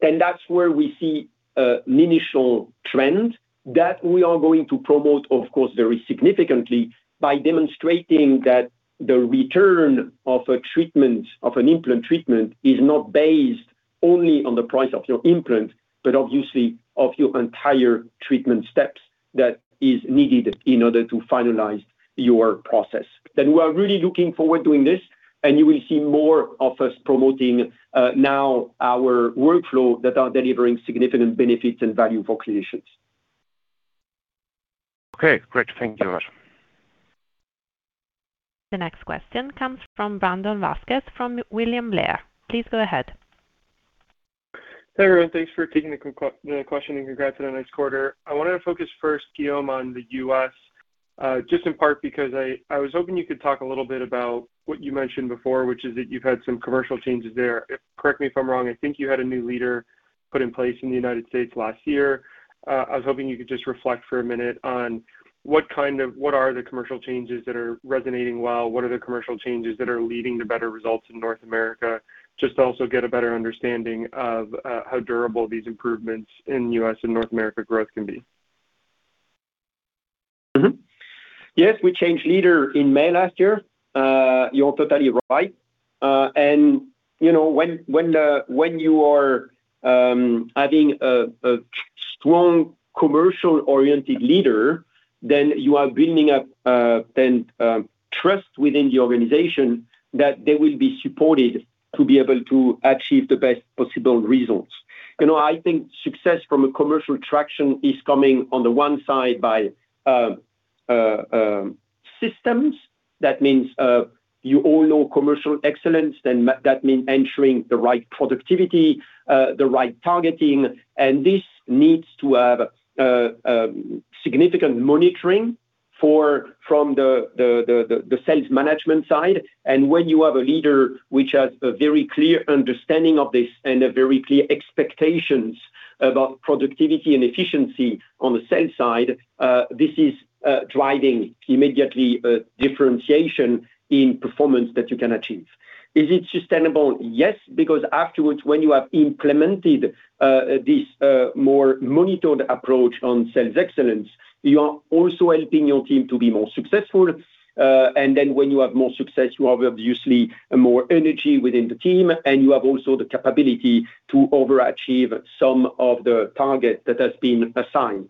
That's where we see an initial trend that we are going to promote, of course, very significantly by demonstrating that the return of an implant treatment is not based only on the price of your implant, but obviously of your entire treatment steps that is needed in order to finalize your process. We are really looking forward doing this, and you will see more of us promoting now our workflow that are delivering significant benefits and value for clinicians. Okay, great. Thank you very much. The next question comes from Brandon Vazquez from William Blair. Please go ahead. Hey, everyone. Thanks for taking the question. Congrats on a nice quarter. I wanted to focus first, Guillaume, on the U.S., just in part because I was hoping you could talk a little bit about what you mentioned before, which is that you've had some commercial changes there. Correct me if I'm wrong, I think you had a new leader put in place in the U.S. last year. I was hoping you could just reflect for a minute on what are the commercial changes that are resonating well, what are the commercial changes that are leading to better results in North America. Just to also get a better understanding of how durable these improvements in U.S. and North America growth can be? Yes, we changed leader in May last year. You're totally right. You know, when you are having a strong commercial-oriented leader, then you are building up trust within the organization that they will be supported to be able to achieve the best possible results. You know, I think success from a commercial traction is coming on the one side by systems. That means, you all know commercial excellence, then that mean ensuring the right productivity, the right targeting, and this needs to have significant monitoring from the sales management side. When you have a leader which has a very clear understanding of this and a very clear expectations about productivity and efficiency on the sales side, this is driving immediately a differentiation in performance that you can achieve. Is it sustainable? Yes, because afterwards, when you have implemented, this more monitored approach on sales excellence, you are also helping your team to be more successful. When you have more success, you have obviously more energy within the team, and you have also the capability to overachieve some of the target that has been assigned.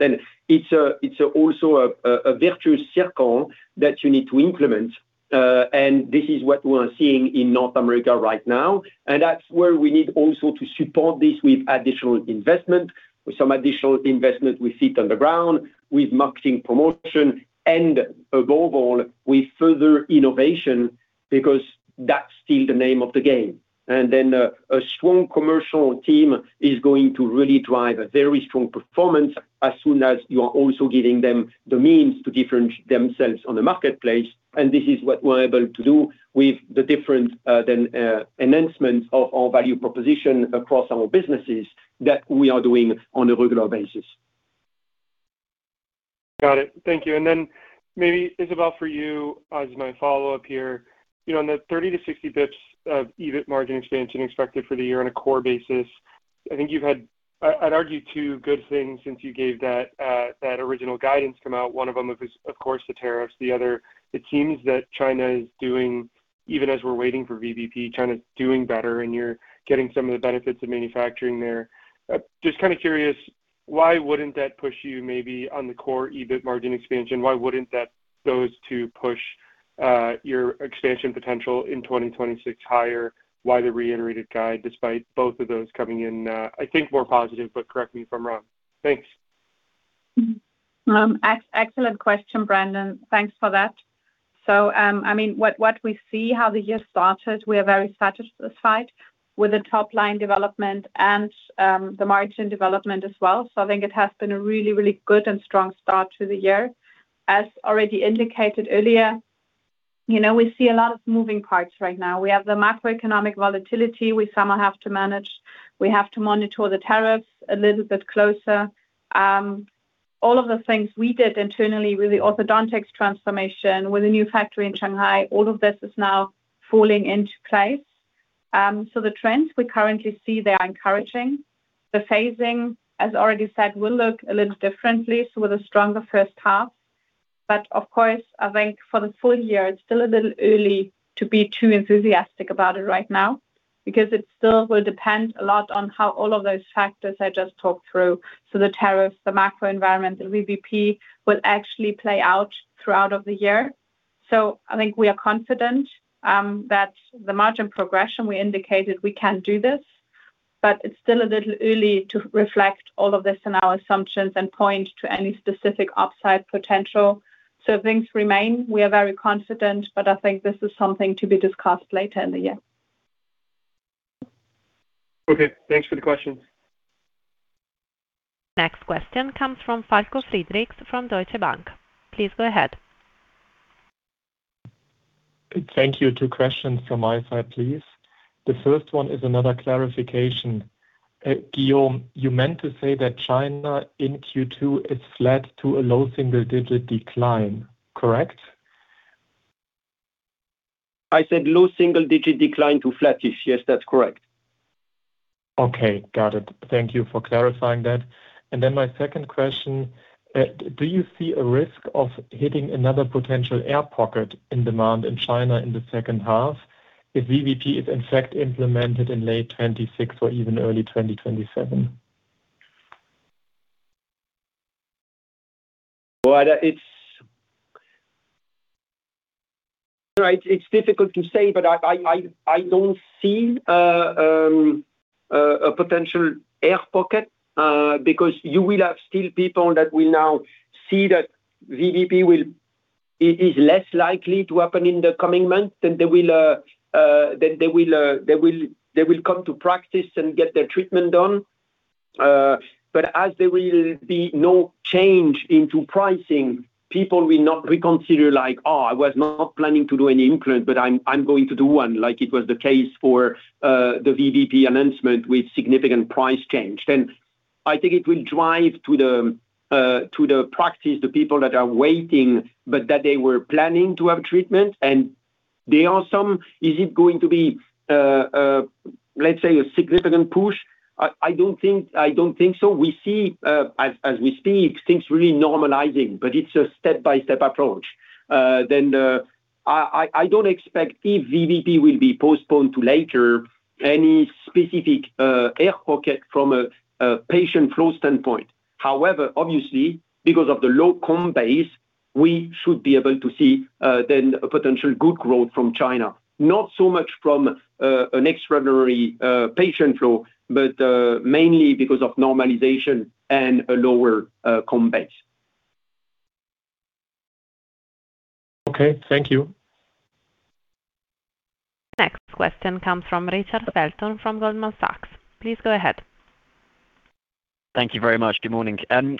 It's, it's also a, a virtuous circle that you need to implement, and this is what we are seeing in North America right now. That's where we need also to support this with additional investment, with some additional investment with feet on the ground, with marketing promotion, and above all, with further innovation, because that's still the name of the game. Then a strong commercial team is going to really drive a very strong performance as soon as you are also giving them the means to differentiate themselves on the marketplace, and this is what we're able to do with the different then enhancements of our value proposition across our businesses that we are doing on a regular basis. Got it. Thank you. Maybe, Isabelle, for you as my follow-up here. You know, in the 30 basis points-60 basis points of EBIT margin expansion expected for the year on a core basis. I think you've had, I'd argue, two good things since you gave that original guidance come out. One of them is, of course, the tariffs. The other, it seems that China is doing even as we're waiting for VBP, China's doing better, and you're getting some of the benefits of manufacturing there. Just kind of curious, why wouldn't that push you maybe on the core EBIT margin expansion? Why wouldn't those two push your expansion potential in 2026 higher? Why the reiterated guide despite both of those coming in, I think more positive, but correct me if I'm wrong. Thanks. Excellent question, Brandon. Thanks for that. I mean, what we see how the year started, we are very satisfied with the top line development and the margin development as well. I think it has been a really good and strong start to the year. As already indicated earlier, you know, we see a lot of moving parts right now. We have the macroeconomic volatility we somehow have to manage. We have to monitor the tariffs a little bit closer. All of the things we did internally with the Orthodontics transformation, with the new factory in Shanghai, all of this is now falling into place. The trends we currently see, they are encouraging. The phasing, as already said, will look a little differently, with a stronger first half. Of course, I think for the full year, it's still a little early to be too enthusiastic about it right now because it still will depend a lot on how all of those factors I just talked through, so the tariffs, the macro environment, the VBP, will actually play out throughout of the year. I think we are confident that the margin progression we indicated, we can do this. It's still a little early to reflect all of this in our assumptions and point to any specific upside potential. Things remain. We are very confident, but I think this is something to be discussed later in the year. Okay. Thanks for the questions. Next question comes from Falko Friedrichs from Deutsche Bank. Please go ahead. Thank you. Two questions from my side, please. The first one is another clarification. Guillaume, you meant to say that China in Q2 is flat to a low-single digit decline, correct? I said low-single digit decline to flattish. Yes, that's correct. Okay. Got it. Thank you for clarifying that. Then my second question. Do you see a risk of hitting another potential air pocket in demand in China in the second half if VBP is in fact implemented in late 2026 or even early 2027? Well, it's. Right. It's difficult to say, but I don't see a potential air pocket, because you will have still people that will now see that VBP it is less likely to happen in the coming months, and they will come to practice and get their treatment done. As there will be no change into pricing, people will not reconsider like, Oh, I was not planning to do any implant, but I'm going to do one, like it was the case for the VBP announcement with significant price change. I think it will drive to the practice, the people that are waiting, but that they were planning to have treatment. There are some. Is it going to be, let's say, a significant push? I don't think, I don't think so. We see, as we speak, things really normalizing, but it's a step-by-step approach. I don't expect if VBP will be postponed to later any specific air pocket from a patient flow standpoint. However, obviously, because of the low comp base, we should be able to see, then a potential good growth from China. Not so much from an extraordinary patient flow, but mainly because of normalization and a lower comp base. Okay. Thank you. Next question comes from Richard Felton from Goldman Sachs. Please go ahead. Thank you very much. Good morning.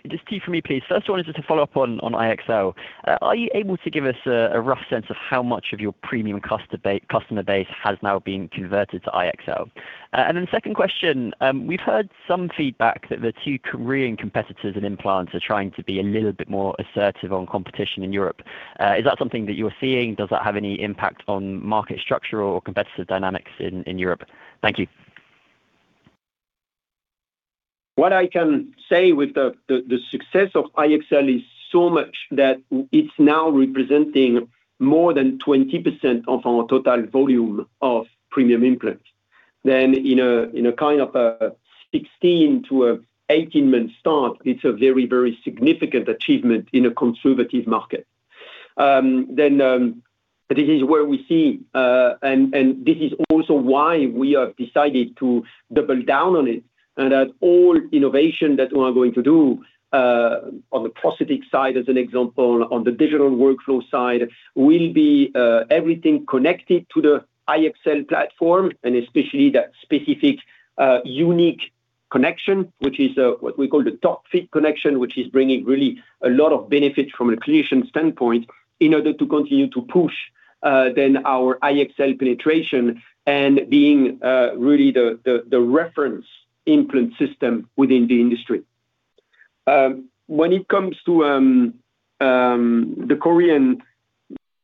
Just two from me, please. First one is just a follow-up on iEXCEL. Are you able to give us a rough sense of how much of your premium customer base has now been converted to iEXCEL? Then second question. We've heard some feedback that the two Korean competitors in implants are trying to be a little bit more assertive on competition in Europe. Is that something that you're seeing? Does that have any impact on market structure or competitive dynamics in Europe? Thank you. What I can say with the success of iEXCEL is so much that it is now representing more than 20% of our total volume of premium implants. In a kind of a 16-month to a 18-month start, it is a very significant achievement in a conservative market. This is where we see, and this is also why we have decided to double down on it. And that all innovation that we are going to do on the prosthetic side, as an example, on the digital workflow side, will be everything connected to the iEXCEL platform. And especially that specific unique connection, which is what we call the TorcFit connection. Which is bringing really a lot of benefit from a clinician standpoint in order to continue to push our iEXCEL penetration and being really the reference implant system within the industry. When it comes to the Korean,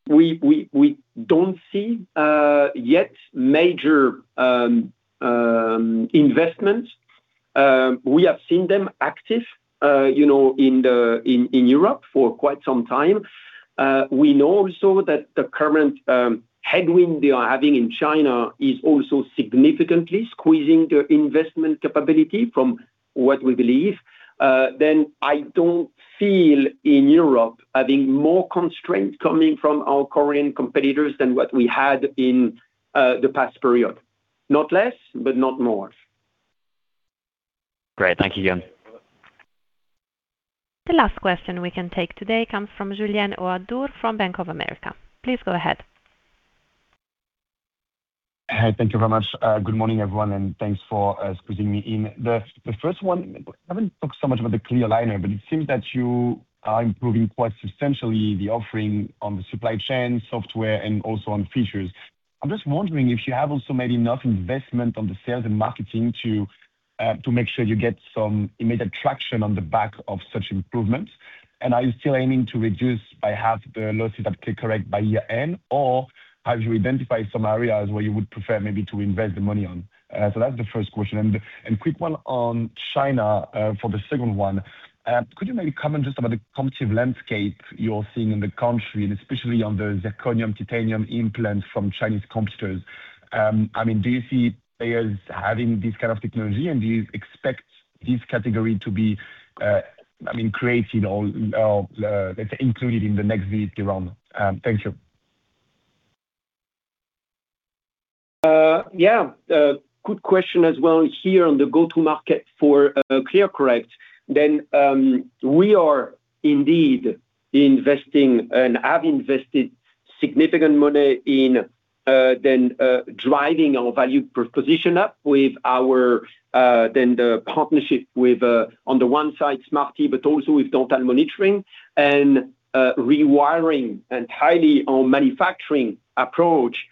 we don't see yet major investments. We have seen them active, you know, in Europe for quite some time. We know also that the current headwind they are having in China is also significantly squeezing their investment capability from what we believe. I don't feel in Europe having more constraint coming from our Korean competitors than what we had in the past period. Not less, but not more. Great. Thank you again. The last question we can take today comes from Julien Ouaddour from Bank of America. Please go ahead. Hey, thank you very much. Good morning, everyone, and thanks for squeezing me in. The first one, we haven't talked so much about the clear aligner. But it seems that you are improving quite substantially the offering on the supply chain software and also on features. I'm just wondering if you have also made enough investment on the sales and marketing to make sure you get some immediate traction on the back of such improvements. Are you still aiming to reduce by half the losses at ClearCorrect by year end? Or have you identified some areas where you would prefer maybe to invest the money on? That's the first question. Quick one on China for the second one. Could you maybe comment just about the competitive landscape you're seeing in the country, and especially on the zirconia-titanium implants from Chinese competitors? I mean, do you see players having this kind of technology? And do you expect this category to be, I mean, creating or, let's say, included in the next VBP round? Thank you. Yeah, good question as well here on the go-to market for ClearCorrect. We are indeed investing and have invested significant money in driving our value proposition up with our then the partnership with on the one side, Smartee, but also with Dental Monitoring and rewiring entirely our manufacturing approach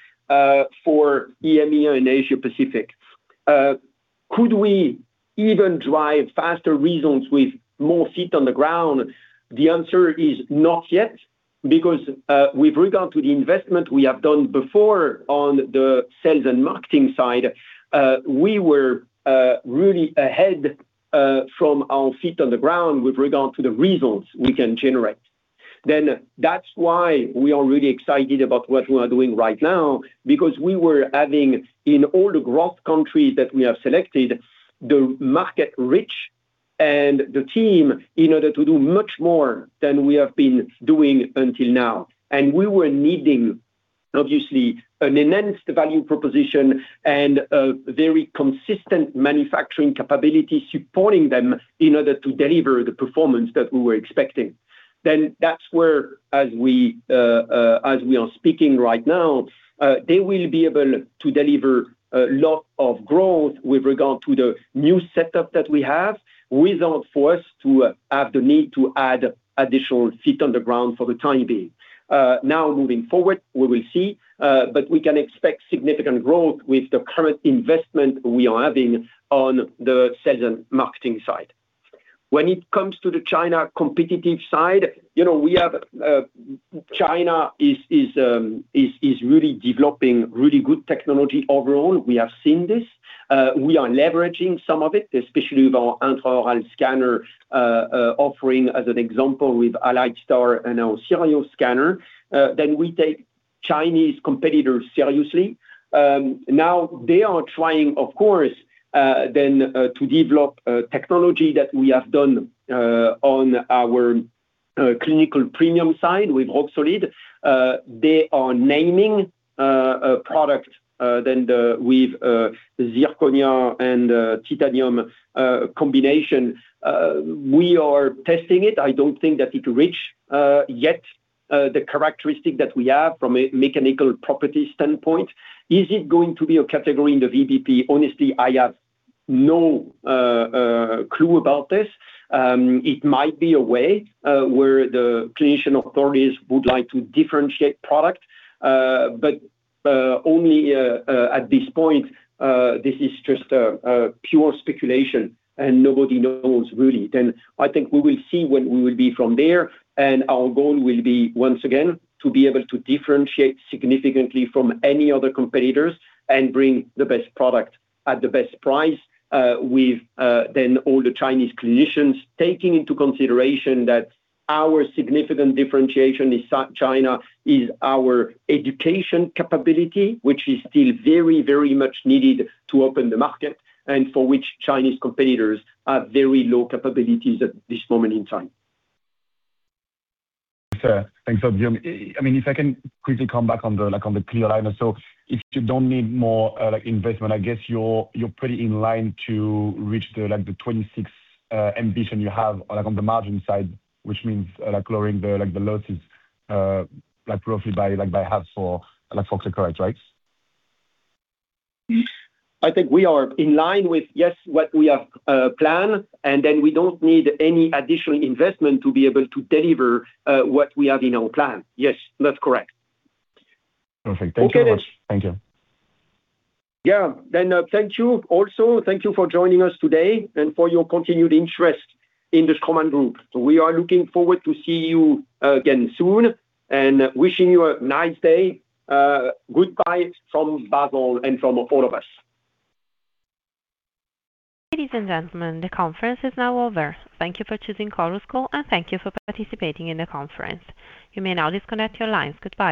for EMEA and Asia Pacific. Could we even drive faster results with more feet on the ground? The answer is not yet because with regard to the investment we have done before on the sales and marketing side, we were really ahead from our feet on the ground with regard to the results we can generate. That's why we are really excited about what we are doing right now because we were having, in all the growth countries that we have selected, the market reach and the team in order to do much more than we have been doing until now. We were needing obviously an enhanced value proposition and a very consistent manufacturing capability supporting them in order to deliver the performance that we were expecting. That's where as we as we are speaking right now, they will be able to deliver a lot of growth with regard to the new setup that we have without for us to have the need to add additional feet on the ground for the time being. Now moving forward, we will see, but we can expect significant growth with the current investment we are having on the sales and marketing side. When it comes to the China competitive side, you know, we have, China is really developing really good technology overall. We have seen this. We are leveraging some of it, especially with our intraoral scanner offering as an example with Alliedstar and our Straumann SIRIOS X3 scanner. Then we take Chinese competitors seriously. Now they are trying, of course, then to develop technology that we have done on our clinical premium side with Roxolid. They are naming a product with zirconia and titanium combination. We are testing it. I don't think that it reach yet the characteristic that we have from a mechanical property standpoint. Is it going to be a category in the VBP? Honestly, I have no clue about this. It might be a way where the clinician authorities would like to differentiate product. Only at this point, this is just pure speculation and nobody knows really. I think we will see when we will be from there and our goal will be, once again, to be able to differentiate significantly from any other competitors and bring the best product at the best price, with then all the Chinese clinicians taking into consideration that our significant differentiation is China, is our education capability, which is still very, very much needed to open the market and for which Chinese competitors have very low capabilities at this moment in time. Thanks, Guillaume. I mean, if I can quickly come back on the ClearCorrect. If you don't need more investment, I guess you're pretty in line to reach the 2026 ambition you have on the margin side, which means lowering the losses roughly by half for ClearCorrect, right? I think we are in line with, yes, what we have planned, and then we don't need any additional investment to be able to deliver what we have in our plan. Yes, that's correct. Perfect. Thank you very much. Okay. Thank you. Yeah. Thank you also. Thank you for joining us today and for your continued interest in the Straumann Group. We are looking forward to see you again soon and wishing you a nice day. Goodbye from Basel and from all of us. Ladies and gentlemen, the conference is now over. Thank you for choosing Chorus Call and thank you for participating in the conference. You may now disconnect your lines. Goodbye